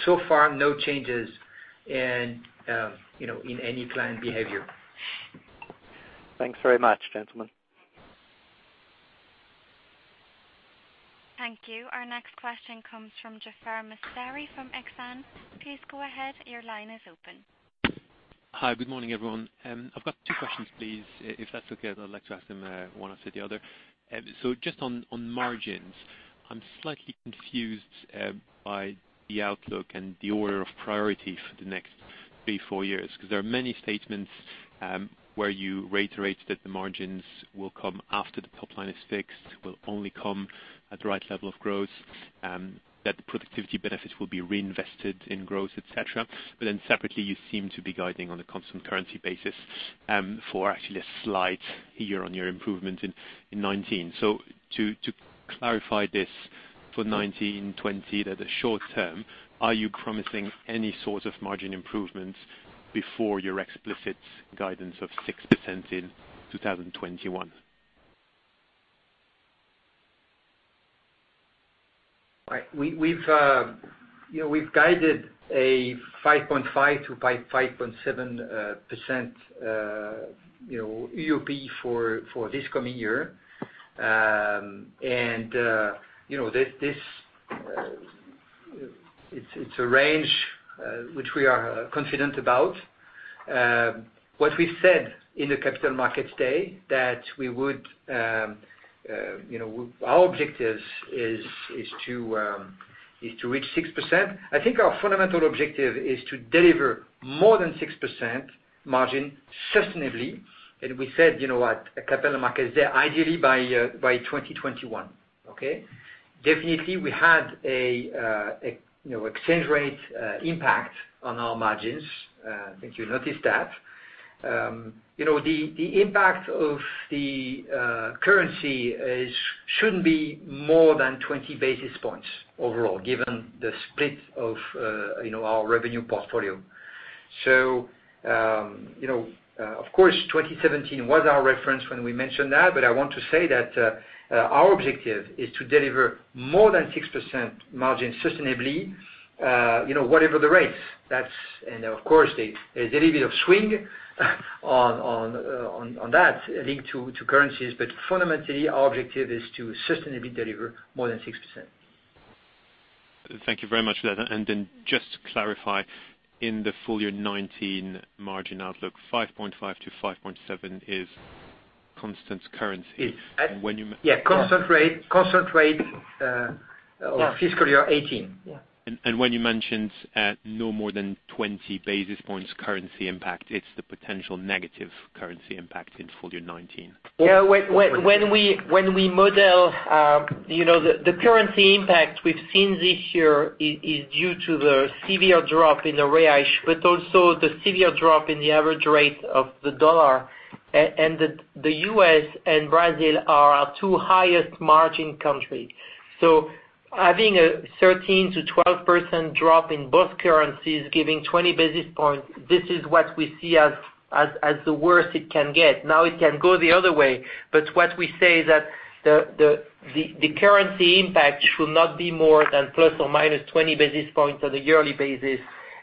So far, no changes in any client behavior. Thanks very much, gentlemen. Thank you. Our next question comes from Jaafar Mestari from Exane BNP Paribas. Please go ahead. Your line is open. Hi, good morning, everyone. I've got two questions, please, if that's okay. I'd like to ask them one after the other. Just on margins, I'm slightly confused by the outlook and the order of priority for the next three, four years, because there are many statements, where you reiterate that the margins will come after the top line is fixed, will only come at the right level of growth, that the productivity benefits will be reinvested in growth, et cetera. Separately, you seem to be guiding on a constant currency basis, for actually a slight year-over-year improvement in 2019. To clarify this for 2019, 2020, the short term, are you promising any sort of margin improvements before your explicit guidance of 6% in 2021? Right. We've guided a 5.5%-5.7% underlying operating profit for this coming year. It's a range which we are confident about. What we said in the Capital Markets Day, our objective is to reach 6%. I think our fundamental objective is to deliver more than 6% margin sustainably. We said, at Capital Markets Day, ideally by 2021. Okay? Definitely, we had an exchange rate impact on our margins. I think you noticed that. The impact of the currency shouldn't be more than 20 basis points overall, given the split of our revenue portfolio. Of course, 2017 was our reference when we mentioned that, but I want to say that our objective is to deliver more than 6% margin sustainably whatever the rates. Of course, there's a little bit of swing on that linked to currencies. Fundamentally, our objective is to sustainably deliver more than 6%. Thank you very much for that. Just to clarify, in the full year 2019 margin outlook, 5.5%-5.7% is constant currency. Yes. Constant rate of fiscal year 2018. When you mentioned at no more than 20 basis points currency impact, it's the potential negative currency impact in full year 2019. Yeah. When we model, the currency impact we've seen this year is due to the severe drop in the BRL, but also the severe drop in the average rate of the USD. The U.S. and Brazil are our two highest margin country. Having a 13%-12% drop in both currencies, giving 20 basis points, this is what we see as the worst it can get. It can go the other way. What we say is that the currency impact should not be more than ±20 basis points on a yearly basis.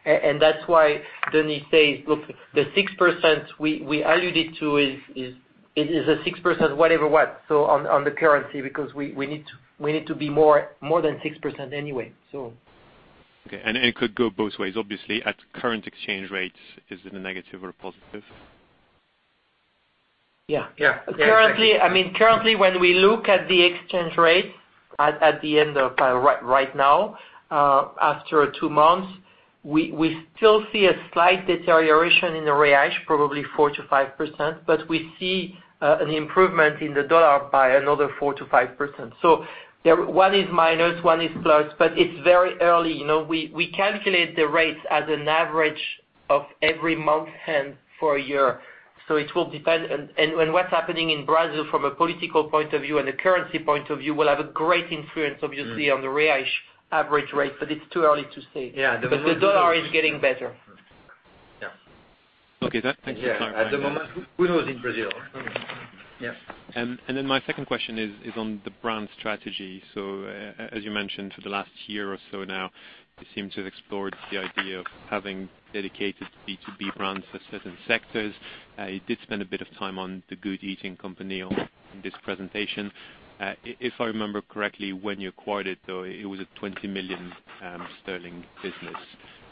That's why Denis says, look, the 6% we alluded to is a 6% whatever what on the currency, because we need to be more than 6% anyway, so. Okay. It could go both ways. Obviously, at current exchange rates, is it a negative or a positive? Yeah. Yeah. Currently, when we look at the exchange rate right now, after two months, we still see a slight deterioration in the BRL, probably 4%-5%, but we see an improvement in the USD by another 4%-5%. One is minus, one is plus, but it's very early. We calculate the rates as an average of every month for a year. It will depend. What's happening in Brazil from a political point of view and a currency point of view will have a great influence, obviously, on the BRL average rate, but it's too early to say. Yeah. The USD is getting better. Yeah. Okay. Thank you for clarifying that. At the moment, we know it's in Brazil. Yes. My second question is on the brand strategy. As you mentioned, for the last year or so now, you seem to have explored the idea of having dedicated business-to-business brands for certain sectors. You did spend a bit of time on the Good Eating Company on this presentation. If I remember correctly, when you acquired it, though, it was a 20 million sterling business.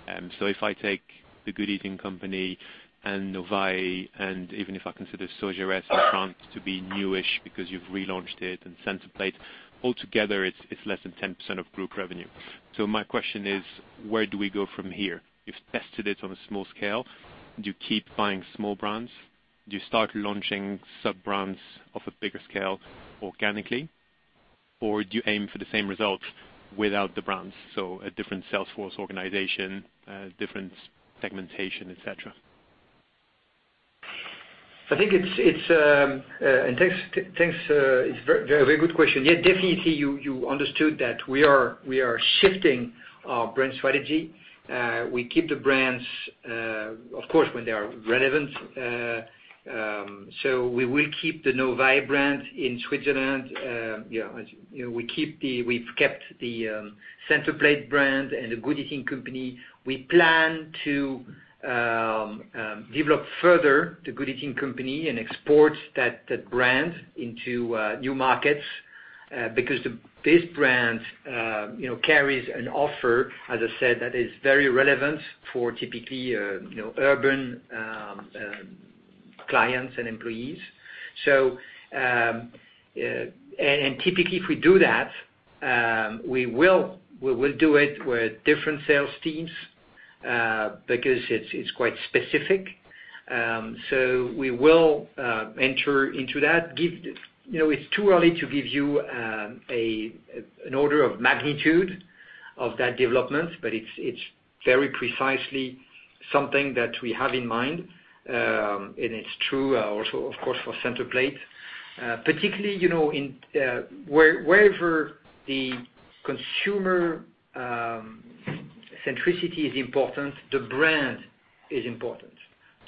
If I take the Good Eating Company and Novae, and even if I consider Sodexo in France to be new-ish, because you've relaunched it, and Centerplate, all together, it's less than 10% of group revenue. My question is, where do we go from here? You've tested it on a small scale. Do you keep buying small brands? Do you start launching sub-brands of a bigger scale organically, or do you aim for the same results without the brands, a different salesforce organization, a different segmentation, et cetera? I think it's a very good question. Yes, definitely, you understood that we are shifting our brand strategy. We keep the brands, of course, when they are relevant. We will keep the Novae brand in Switzerland. We've kept the Centerplate brand and the Good Eating Company. We plan to develop further the Good Eating Company and export that brand into new markets because this brand carries an offer, as I said, that is very relevant for typically urban clients and employees. Typically, if we do that, we will do it with different sales teams because it's quite specific. We will enter into that. It's too early to give you an order of magnitude of that development, but it's very precisely something that we have in mind. It's true also, of course, for Centerplate. Particularly, wherever the consumer centricity is important, the brand is important.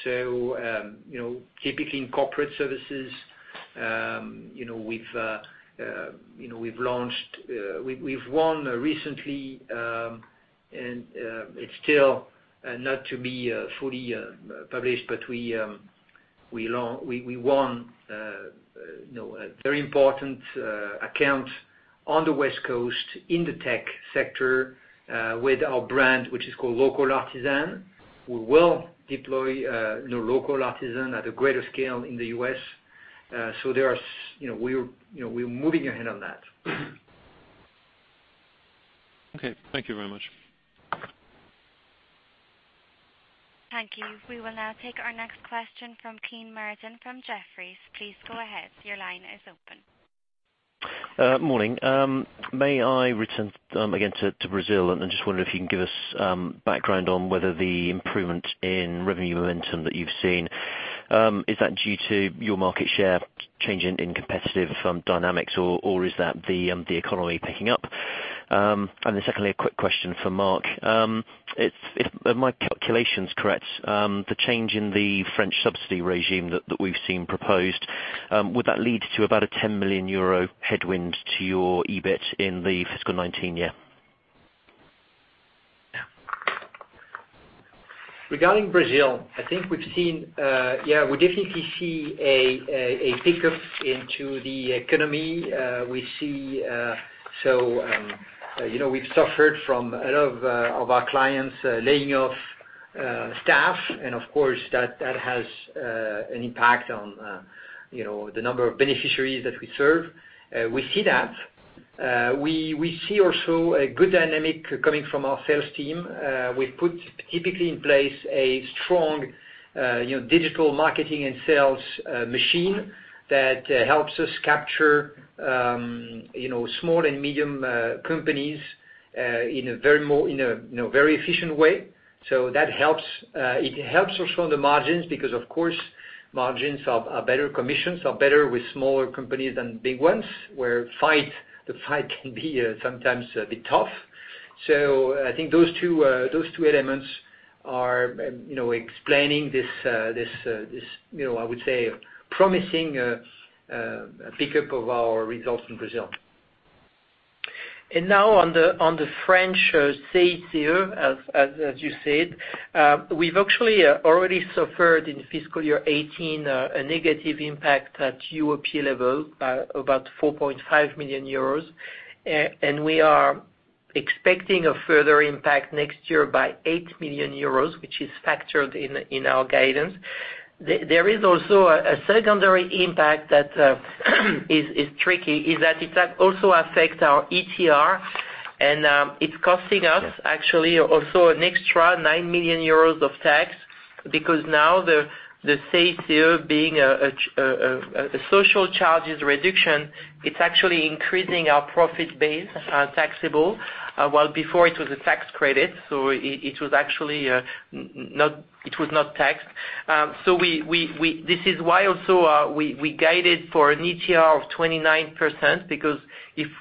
Typically in corporate services, we've won recently, and it's still not to be fully published, but we won a very important account on the West Coast in the tech sector with our brand, which is called Local Artisan. We will deploy Local Artisan at a greater scale in the U.S. We're moving ahead on that. Okay. Thank you very much. Thank you. We will now take our next question from Kean Marden from Jefferies. Please go ahead. Your line is open. Morning. May I return again to Brazil, I just wonder if you can give us background on whether the improvement in revenue momentum that you've seen, is that due to your market share changing in competitive dynamics, or is that the economy picking up? Secondly, a quick question for Marc. If my calculation's correct, the change in the French subsidy regime that we've seen proposed, would that lead to about a 10 million euro headwind to your EBIT in the fiscal 2019 year? Regarding Brazil, I think we definitely see a pickup into the economy. We've suffered from a lot of our clients laying off staff, and of course, that has an impact on the number of beneficiaries that we serve. We see that. We see also a good dynamic coming from our sales team. We've put typically in place a strong digital marketing and sales machine that helps us capture small and medium companies in a very efficient way. That helps. It helps also on the margins, because of course, margins are better, commissions are better with smaller companies than big ones, where the fight can be sometimes a bit tough. I think those two elements are explaining this, I would say, promising pickup of our results in Brazil. Now on the French CICE, as you said, we've actually already suffered in fiscal year 2018, a negative impact at UOP level, about 4.5 million euros, and we are expecting a further impact next year by 8 million euros, which is factored in our guidance. There is also a secondary impact that is tricky, is that it also affects our effective tax rate, and it's costing us actually also an extra 9 million euros of tax because now the CICE being a social charges reduction, it's actually increasing our profit base taxable, while before it was a tax credit, so it was not taxed. This is why also we guided for an ETR of 29%, because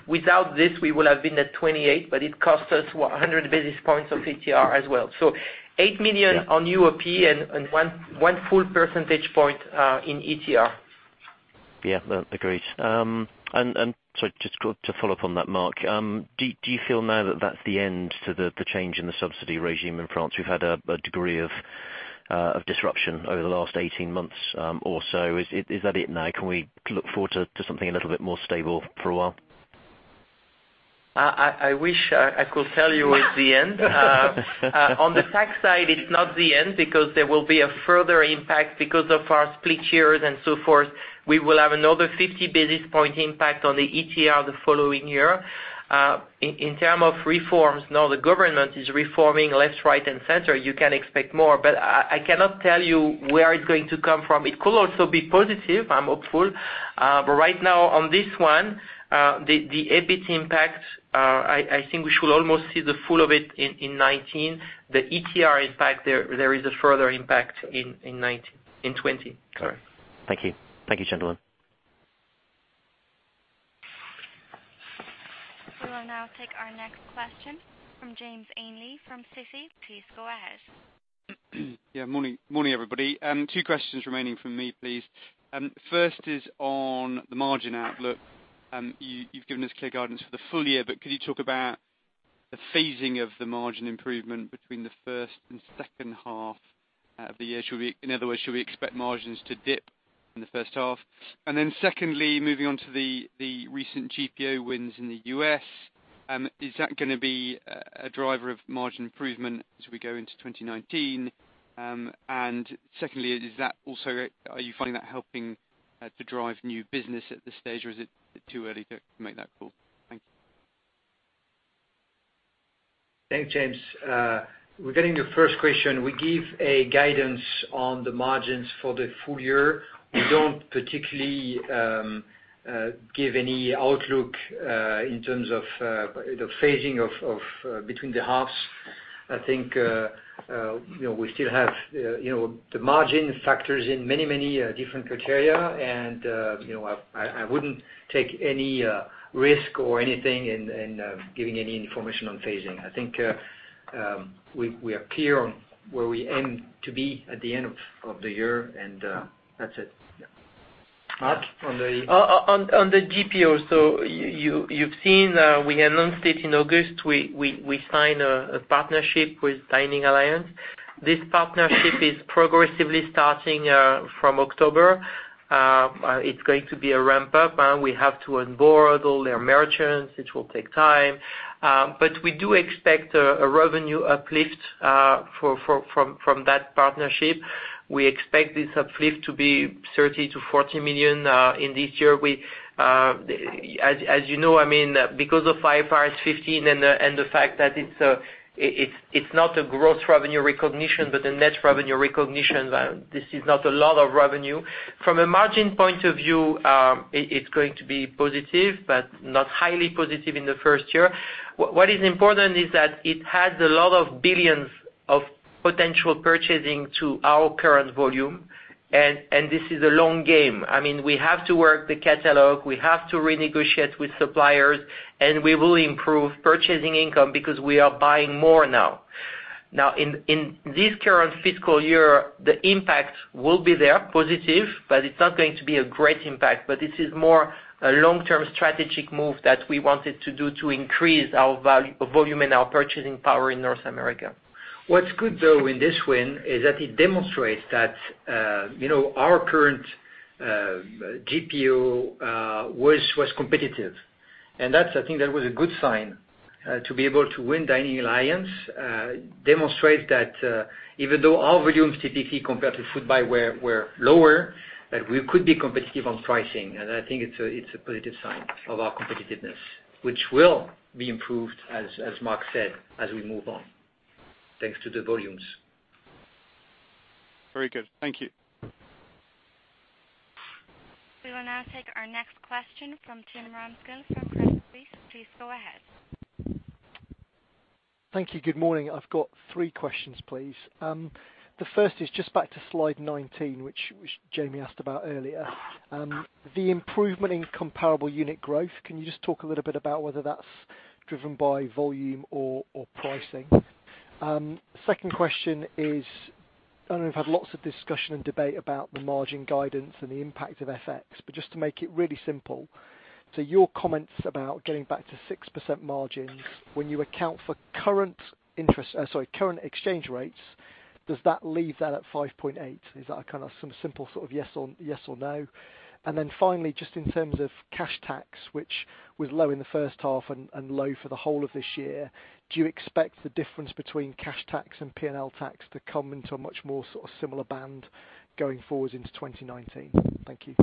without this, we will have been at 28, but it cost us 100 basis points of ETR as well. 8 million on UOP and one full percentage point in ETR. Yeah. Agreed. Sorry, just to follow up on that, Marc. Do you feel now that that's the end to the change in the subsidy regime in France? We've had a degree of disruption over the last 18 months or so. Is that it now? Can we look forward to something a little bit more stable for a while? I wish I could tell you it's the end. On the tax side, it's not the end because there will be a further impact because of our split years and so forth. We will have another 50 basis points impact on the ETR the following year. In terms of reforms, now the government is reforming left, right, and center, you can expect more, I cannot tell you where it's going to come from. It could also be positive, I'm hopeful. Right now, on this one, the EBIT impact, I think we should almost see the full of it in 2019. The ETR impact, there is a further impact in 2020. Correct. Thank you. Thank you, gentlemen. We will now take our next question from James Ainley from Citigroup. Please go ahead. Yeah, morning everybody. Two questions remaining from me, please. First is on the margin outlook. You've given us clear guidance for the full year, could you talk about the phasing of the margin improvement between the first and second half of the year? In other words, should we expect margins to dip in the first half? Secondly, moving on to the recent GPO wins in the U.S., is that going to be a driver of margin improvement as we go into 2019? Secondly, are you finding that helping to drive new business at this stage, or is it too early to make that call? Thank you. Thanks, James. Regarding your first question, we give a guidance on the margins for the full year. We don't particularly give any outlook in terms of the phasing between the halves. I think, we still have the margin factors in many different criteria and I wouldn't take any risk or anything in giving any information on phasing. I think we are clear on where we aim to be at the end of the year, and that's it. Marc? On the GPO. You've seen, we announced it in August. We signed a partnership with Dining Alliance. This partnership is progressively starting from October. It's going to be a ramp-up. We have to onboard all their merchants, which will take time. We do expect a revenue uplift from that partnership. We expect this uplift to be 30 million-40 million in this year. As you know, because of IFRS 15 and the fact that it's not a gross revenue recognition, but a net revenue recognition, this is not a lot of revenue. From a margin point of view, it's going to be positive, but not highly positive in the first year. What is important is that it adds a lot of billions of potential purchasing to our current volume, and this is a long game. We have to work the catalog, we have to renegotiate with suppliers, we will improve purchasing income because we are buying more now. Now, in this current fiscal year, the impact will be there, positive, but it's not going to be a great impact. This is more a long-term strategic move that we wanted to do to increase our volume and our purchasing power in North America. What's good, though, in this win, is that it demonstrates that our current GPO was competitive. That's, I think, that was a good sign to be able to win Dining Alliance, demonstrate that even though our volumes typically compared to Foodbuy were lower, that we could be competitive on pricing. I think it's a positive sign of our competitiveness. Which will be improved, as Marc said, as we move on, thanks to the volumes. Very good. Thank you. We will now take our next question from Tim Ramskill from Credit Suisse. Please go ahead. Thank you. Good morning. I've got three questions, please. The first is just back to slide 19, which Jamie asked about earlier. The improvement in comparable unit growth, can you just talk a little bit about whether that's driven by volume or pricing? Second question is, I know we've had lots of discussion and debate about the margin guidance and the impact of FX. Just to make it really simple, your comments about getting back to 6% margins when you account for current exchange rates, does that leave that at 5.8%? Is that a kind of some simple sort of yes or no? Finally, just in terms of cash tax, which was low in the first half and low for the whole of this year, do you expect the difference between cash tax and P&L tax to come into a much more sort of similar band going forwards into 2019? Thank you.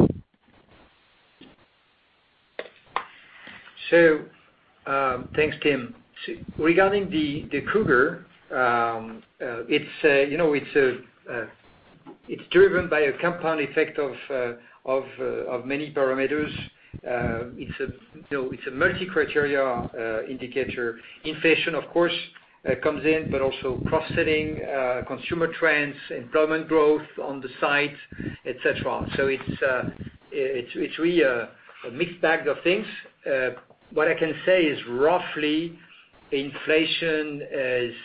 Thanks, Tim. Regarding the CUG, it's driven by a compound effect of many parameters. It's a multi-criteria indicator. Inflation, of course, comes in, but also cross-selling, consumer trends, employment growth on the sites, et cetera. It's really a mixed bag of things. What I can say is, roughly, inflation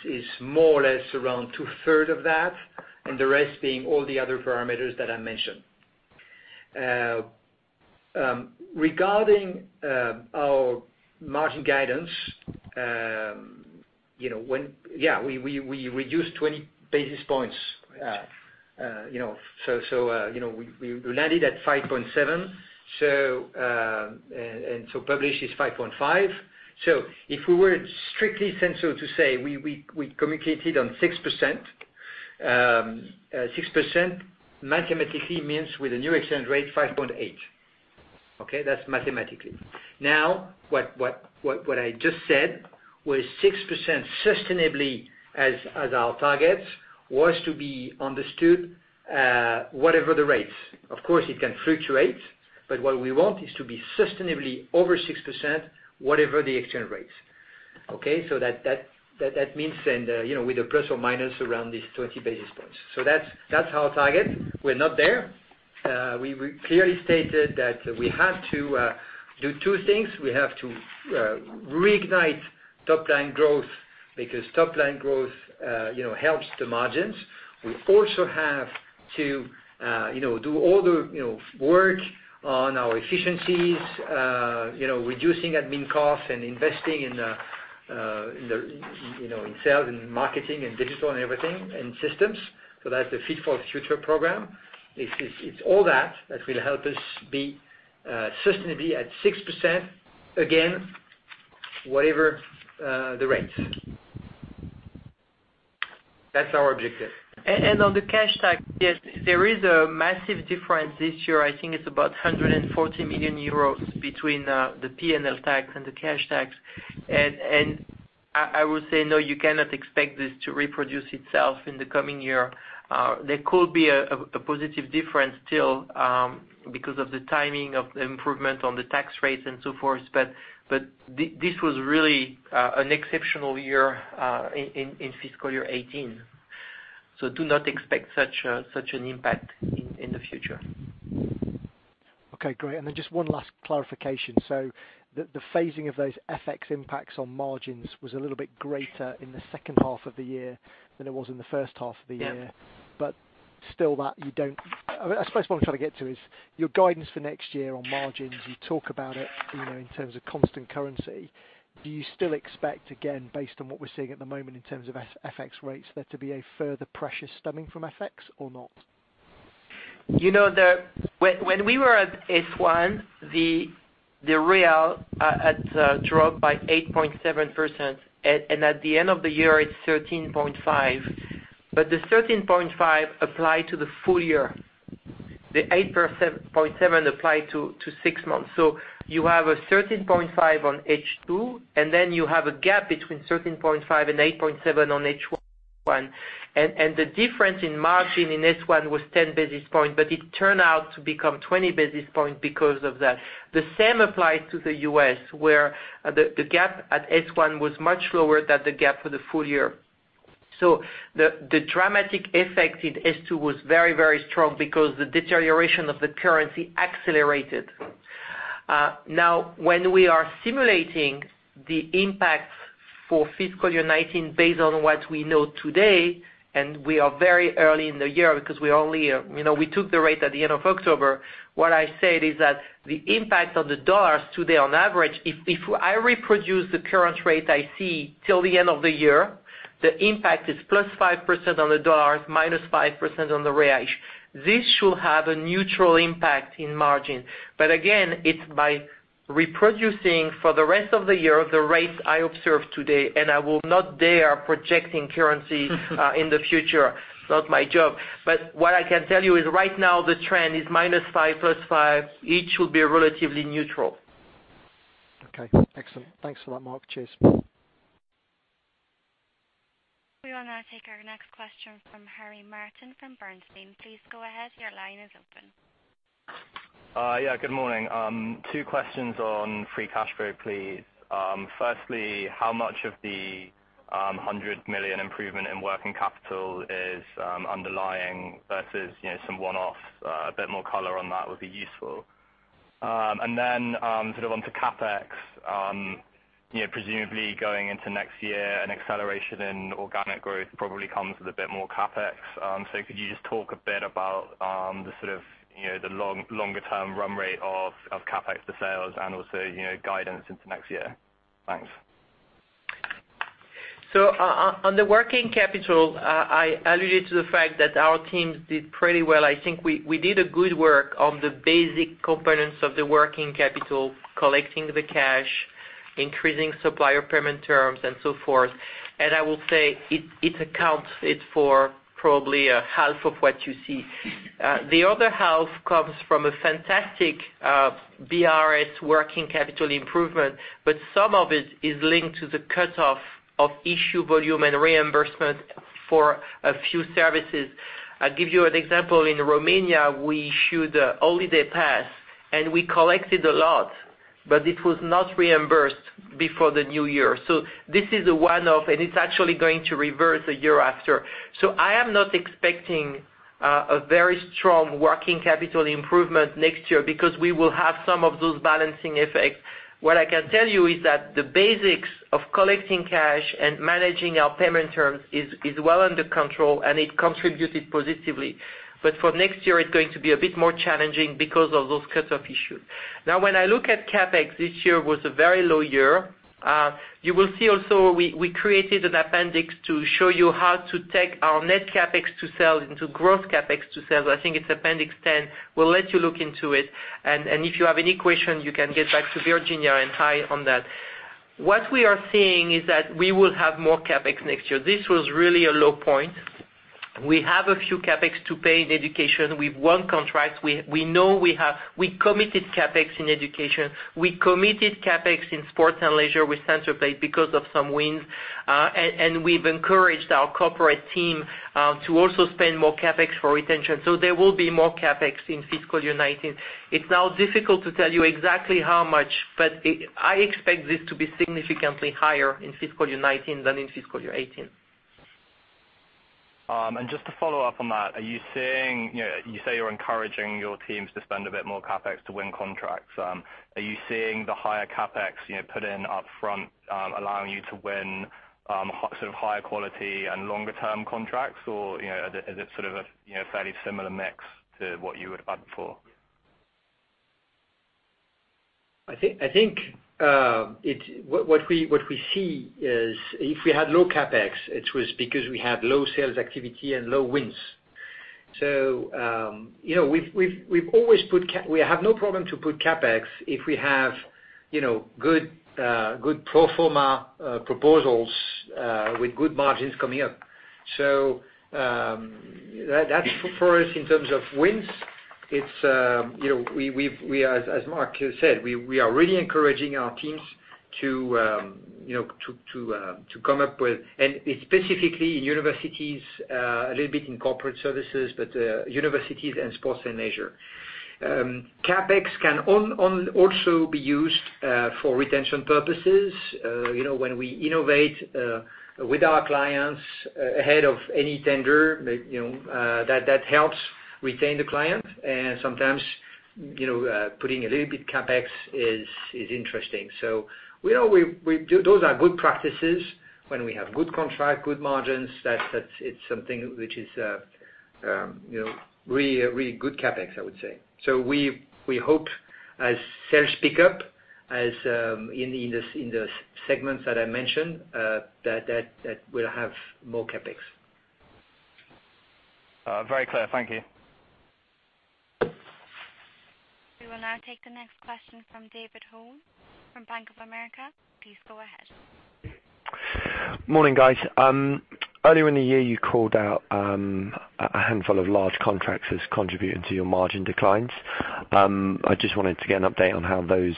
is more or less around two-thirds of that, and the rest being all the other parameters that I mentioned. Regarding our margin guidance, we reduced 20 basis points. We landed at 5.7%, published is 5.5%. If we were strictly sensible to say, we communicated on 6%. 6% mathematically means with the new exchange rate, 5.8%. Okay? That's mathematically. What I just said was 6% sustainably as our target was to be understood, whatever the rates. Of course, it can fluctuate, but what we want is to be sustainably over 6%, whatever the exchange rates. Okay? That means then, with a plus or minus around these 20 basis points. That's our target. We're not there. We clearly stated that we have to do two things. We have to reignite top-line growth because top-line growth helps the margins. We also have to do all the work on our efficiencies, reducing admin costs and investing in sales, and marketing, and digital and everything, and systems. That's the Fit for Future program. It's all that that will help us be sustainably at 6% again, whatever the rates. That's our objective. On the cash tax, yes, there is a massive difference this year. I think it's about 140 million euros between the P&L tax and the cash tax. I would say, no, you cannot expect this to reproduce itself in the coming year. There could be a positive difference still, because of the timing of the improvement on the tax rates and so forth, but this was really an exceptional year in fiscal year 2018. Do not expect such an impact in the future. Okay, great. Just one last clarification. The phasing of those FX impacts on margins was a little bit greater in the second half of the year than it was in the first half of the year. Yeah. I suppose what I'm trying to get to is your guidance for next year on margins. You talk about it in terms of constant currency. Do you still expect, again, based on what we're seeing at the moment in terms of FX rates, there to be a further pressure stemming from FX or not? When we were at S1, the BRL had dropped by 8.7%, and at the end of the year, it's 13.5%. The 13.5% applied to the full year, the 8.7% applied to six months. You have a 13.5% on H2, and then you have a gap between 13.5% and 8.7% on H1. The difference in margin in S1 was 10 basis points, but it turned out to become 20 basis points because of that. The same applies to the U.S., where the gap at S1 was much lower than the gap for the full year. The dramatic effect in S2 was very strong because the deterioration of the currency accelerated. Now, when we are simulating the impact for fiscal year 2019 based on what we know today, and we are very early in the year because we took the rate at the end of October. What I said is that the impact of the U.S. dollar today on average, if I reproduce the current rate I see till the end of the year, the impact is +5% on the U.S. dollar, -5% on the BRL. This should have a neutral impact in margin. Again, it's by reproducing for the rest of the year the rates I observe today, and I will not dare projecting currency in the future. Not my job. What I can tell you is right now the trend is -5%, +5%, each will be relatively neutral. Okay. Excellent. Thanks for that, Marc. Cheers. We will now take our next question from Harry Martin from Bernstein. Please go ahead. Your line is open. Yeah, good morning. Two questions on free cash flow, please. Firstly, how much of the 100 million improvement in working capital is underlying versus some one-off? A bit more color on that would be useful. Sort of onto CapEx. Presumably going into next year, an acceleration in organic growth probably comes with a bit more CapEx. Could you just talk a bit about the sort of longer-term run rate of CapEx to sales and also guidance into next year? Thanks. On the working capital, I alluded to the fact that our teams did pretty well. I think we did a good work on the basic components of the working capital, collecting the cash, increasing supplier payment terms and so forth. I will say it accounts for probably half of what you see. The other half comes from a fantastic BRS working capital improvement, but some of it is linked to the cutoff of issue volume and reimbursement for a few services. I'll give you an example. In Romania, we issued a holiday pass and we collected a lot, but it was not reimbursed before the new year. This is a one-off and it's actually going to reverse a year after. I am not expecting a very strong working capital improvement next year because we will have some of those balancing effects. What I can tell you is that the basics of collecting cash and managing our payment terms is well under control and it contributed positively. For next year, it's going to be a bit more challenging because of those cutoff issues. When I look at CapEx, this year was a very low year. You will see also we created an appendix to show you how to take our net CapEx to sales into growth CapEx to sales. I think it's appendix 10. We'll let you look into it, and if you have any questions, you can get back to Virginia and I on that. What we are seeing is that we will have more CapEx next year. This was really a low point. We have a few CapEx to pay in education. We've won contracts. We know we committed CapEx in education. We committed CapEx in sports and leisure with Centerplate because of some wins. We've encouraged our corporate team to also spend more CapEx for retention, so there will be more CapEx in fiscal year 2019. It's now difficult to tell you exactly how much, but I expect this to be significantly higher in fiscal year 2019 than in fiscal year 2018. Just to follow up on that, you say you're encouraging your teams to spend a bit more CapEx to win contracts. Are you seeing the higher CapEx put in upfront, allowing you to win sort of higher quality and longer-term contracts? Or is it sort of a fairly similar mix to what you would have had before? I think what we see is, if we had low CapEx, it was because we had low sales activity and low wins. We have no problem to put CapEx if we have good pro forma proposals with good margins coming up. That's for us in terms of wins. As Marc said, we are really encouraging our teams to come up with It's specifically in universities, a little bit in corporate services, but universities and sports and leisure. CapEx can also be used for retention purposes. When we innovate with our clients ahead of any tender, that helps retain the client. Sometimes, putting a little bit CapEx is interesting. Those are good practices when we have good contract, good margins. It's something which is really good CapEx, I would say. We hope as sales pick up in the segments that I mentioned, that we'll have more CapEx. Very clear. Thank you. We will now take the next question from David Harrington from Bank of America. Please go ahead. Morning, guys. Earlier in the year, you called out a handful of large contracts as contributing to your margin declines. I just wanted to get an update on how those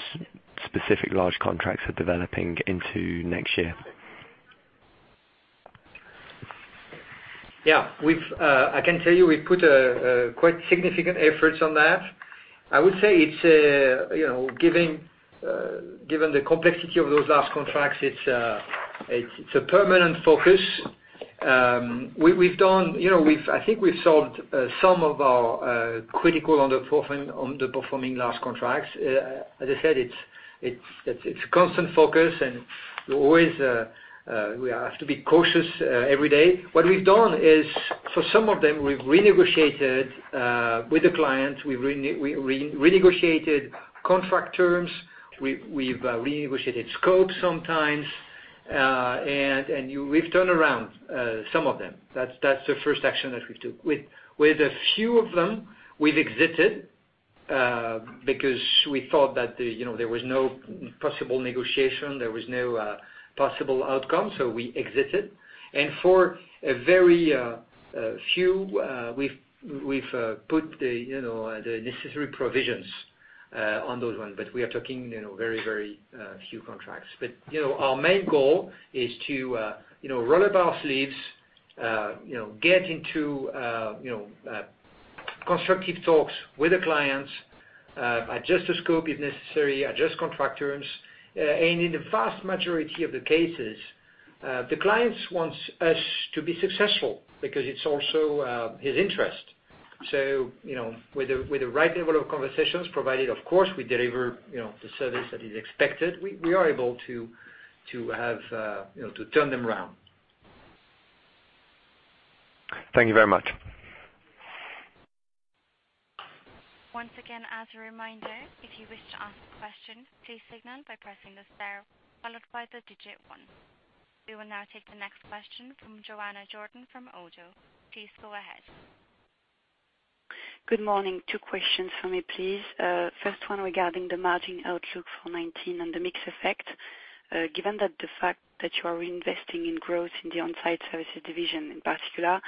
specific large contracts are developing into next year. Yeah. I can tell you, we've put quite significant efforts on that. I would say, given the complexity of those large contracts, it's a permanent focus. I think we've solved some of our critical underperforming large contracts. As I said, it's a constant focus, and always we have to be cautious every day. What we've done is, for some of them, we've renegotiated with the clients, we've renegotiated contract terms. We've renegotiated scopes sometimes. We've turned around some of them. That's the first action that we took. With a few of them, we've exited because we thought that there was no possible negotiation, there was no possible outcome, so we exited. For a very few, we've put the necessary provisions on those ones, but we are talking very few contracts. Our main goal is to roll up our sleeves, get into constructive talks with the clients, adjust the scope if necessary, adjust contract terms. In the vast majority of the cases, the clients want us to be successful because it is also his interest. With the right level of conversations, provided, of course, we deliver the service that is expected, we are able to turn them around. Thank you very much. Once again, as a reminder, if you wish to ask a question, please signal by pressing the star followed by the digit one. We will now take the next question from Johanna Jourdain from Oddo BHF. Please go ahead. Good morning. Two questions from me, please. First one regarding the margin outlook for 2019 and the mix effect. Given the fact that you are reinvesting in growth in the On-site Services division in particular,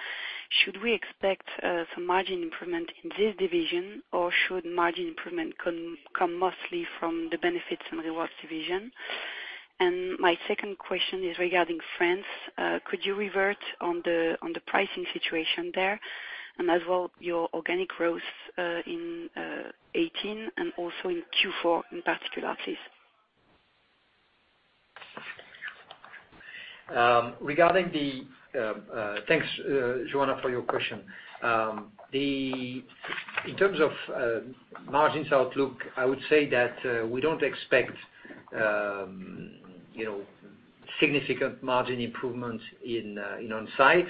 should we expect some margin improvement in this division or should margin improvement come mostly from the Benefits and Rewards division? My second question is regarding France. Could you revert on the pricing situation there and as well your organic growth in 2018 and also in Q4 in particular, please? Thanks, Johanna, for your question. In terms of margins outlook, I would say that we don't expect significant margin improvements in Onsite.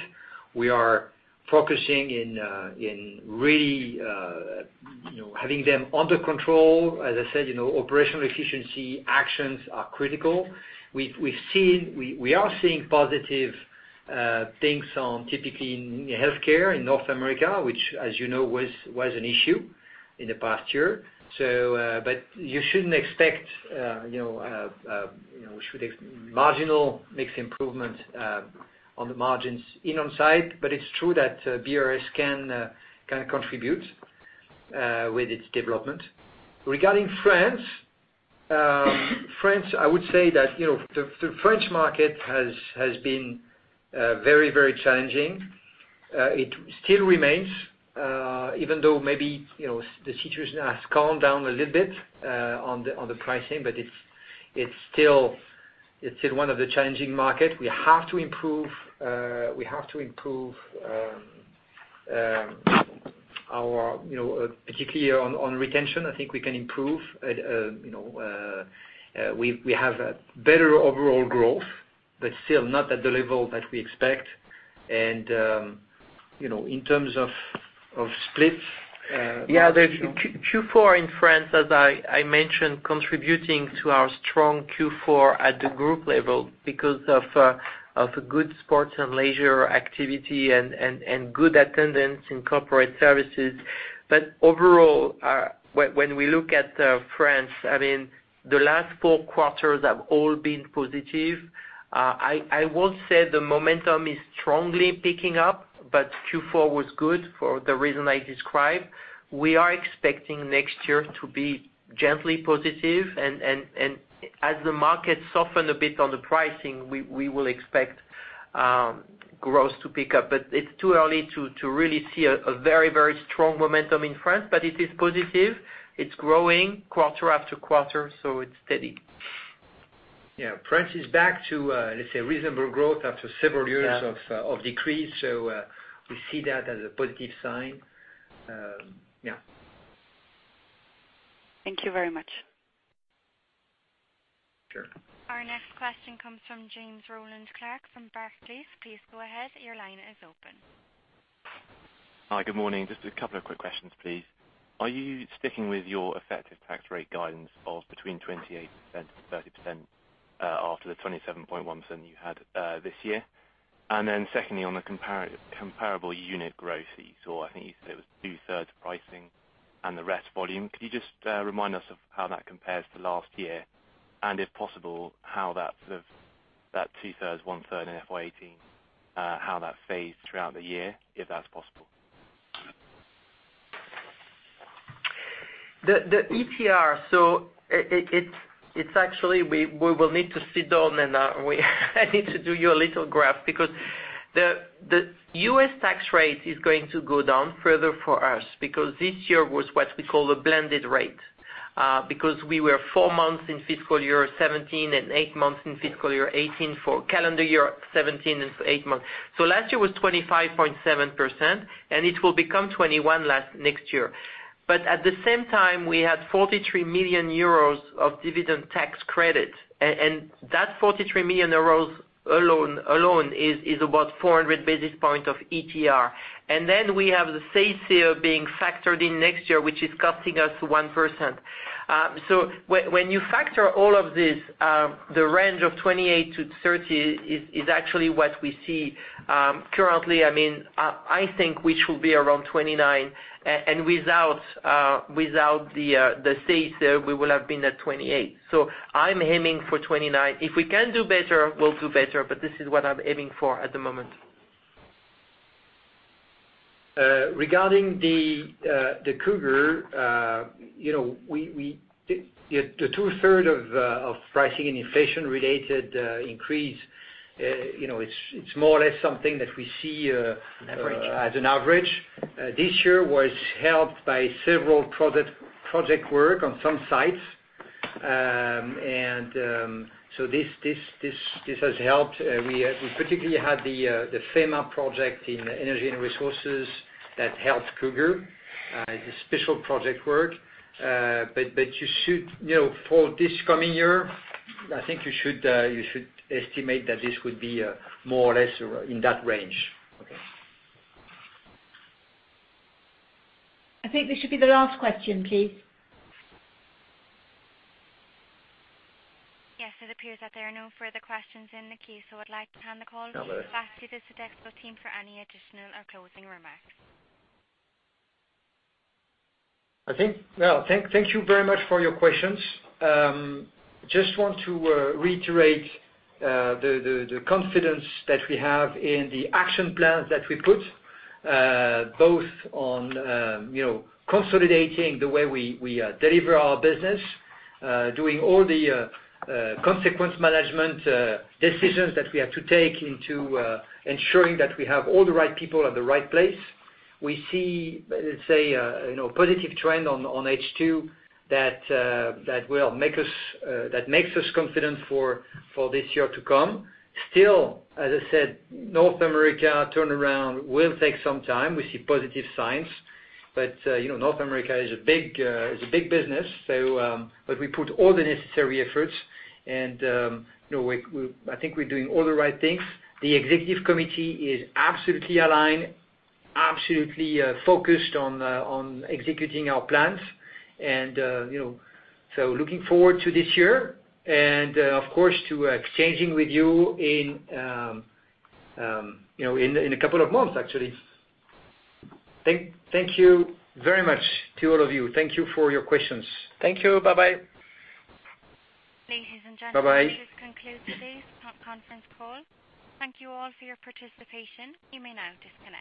We are focusing in really having them under control. As I said, operational efficiency actions are critical. We are seeing positive things on, typically, in healthcare in North America, which, as you know, was an issue in the past year. You shouldn't expect marginal mixed improvement on the margins in Onsite, but it's true that BRS can contribute with its development. Regarding France, I would say that the French market has been very challenging. It still remains, even though maybe the situation has calmed down a little bit on the pricing, but it's still one of the challenging market. We have to improve, particularly on retention, I think we can improve. We have a better overall growth, still not at the level that we expect. In terms of splits. Q4 in France, as I mentioned, contributing to our strong Q4 at the group level because of good sports and leisure activity and good attendance in corporate services. Overall, when we look at France, the last four quarters have all been positive. I won't say the momentum is strongly picking up, Q4 was good for the reason I described. We are expecting next year to be gently positive and as the market soften a bit on the pricing, we will expect growth to pick up. It's too early to really see a very strong momentum in France, but it is positive. It's growing quarter after quarter, so it's steady. France is back to, let's say, reasonable growth after several years of decrease. We see that as a positive sign. Thank you very much. Sure. Our next question comes from James Rowland Clark from Barclays. Please go ahead. Your line is open. Hi. Good morning. Just a couple of quick questions, please. Are you sticking with your effective tax rate guidance of between 28%-30% after the 27.1% you had this year? Secondly, on the comparable unit growth that you saw, I think you said it was two-thirds pricing and the rest volume. Could you just remind us of how that compares to last year? If possible, how that two-thirds, one-third in FY 2018, how that phased throughout the year, if that's possible. The ETR. Actually, we will need to sit down and I need to do you a little graph because the U.S. tax rate is going to go down further for us because this year was what we call a blended rate. We were four months in fiscal year 2017 and eight months in fiscal year 2018. For calendar year 2017, it's eight months. Last year was 25.7%, and it will become 21 next year. At the same time, we had 43 million euros of dividend tax credit, and that 43 million euros alone is about 400 basis points of ETR. We have the safe seal being factored in next year, which is costing us 1%. When you factor all of this, the range of 28%-30% is actually what we see currently. I think we should be around 29, without the safe seal, we will have been at 28. I'm aiming for 29. If we can do better, we'll do better, this is what I'm aiming for at the moment. Regarding the CUG, the 2/3 of pricing and inflation-related increase, it's more or less something that we see. Average. As an average. This year was helped by several project work on some sites. This has helped. We particularly had the Federal Emergency Management Agency project in energy and resources that helped CUG, the special project work. For this coming year, I think you should estimate that this would be more or less in that range. Okay. I think this should be the last question, please. Yes, it appears that there are no further questions in the queue. I'd like to hand the call back to the Sodexo team for any additional or closing remarks. Thank you very much for your questions. We just want to reiterate the confidence that we have in the action plans that we put, both on consolidating the way we deliver our business, doing all the consequence management decisions that we have to take into ensuring that we have all the right people at the right place. We see, let's say, a positive trend on H2 that makes us confident for this year to come. Still, as I said, North America turnaround will take some time. We see positive signs. North America is a big business. We put all the necessary efforts, and I think we're doing all the right things. The Executive Committee is absolutely aligned, absolutely focused on executing our plans, looking forward to this year and, of course, to exchanging with you in a couple of months, actually. Thank you very much to all of you. Thank you for your questions. Thank you. Bye-bye. Ladies and gentlemen. Bye-bye This concludes today's conference call. Thank you all for your participation. You may now disconnect.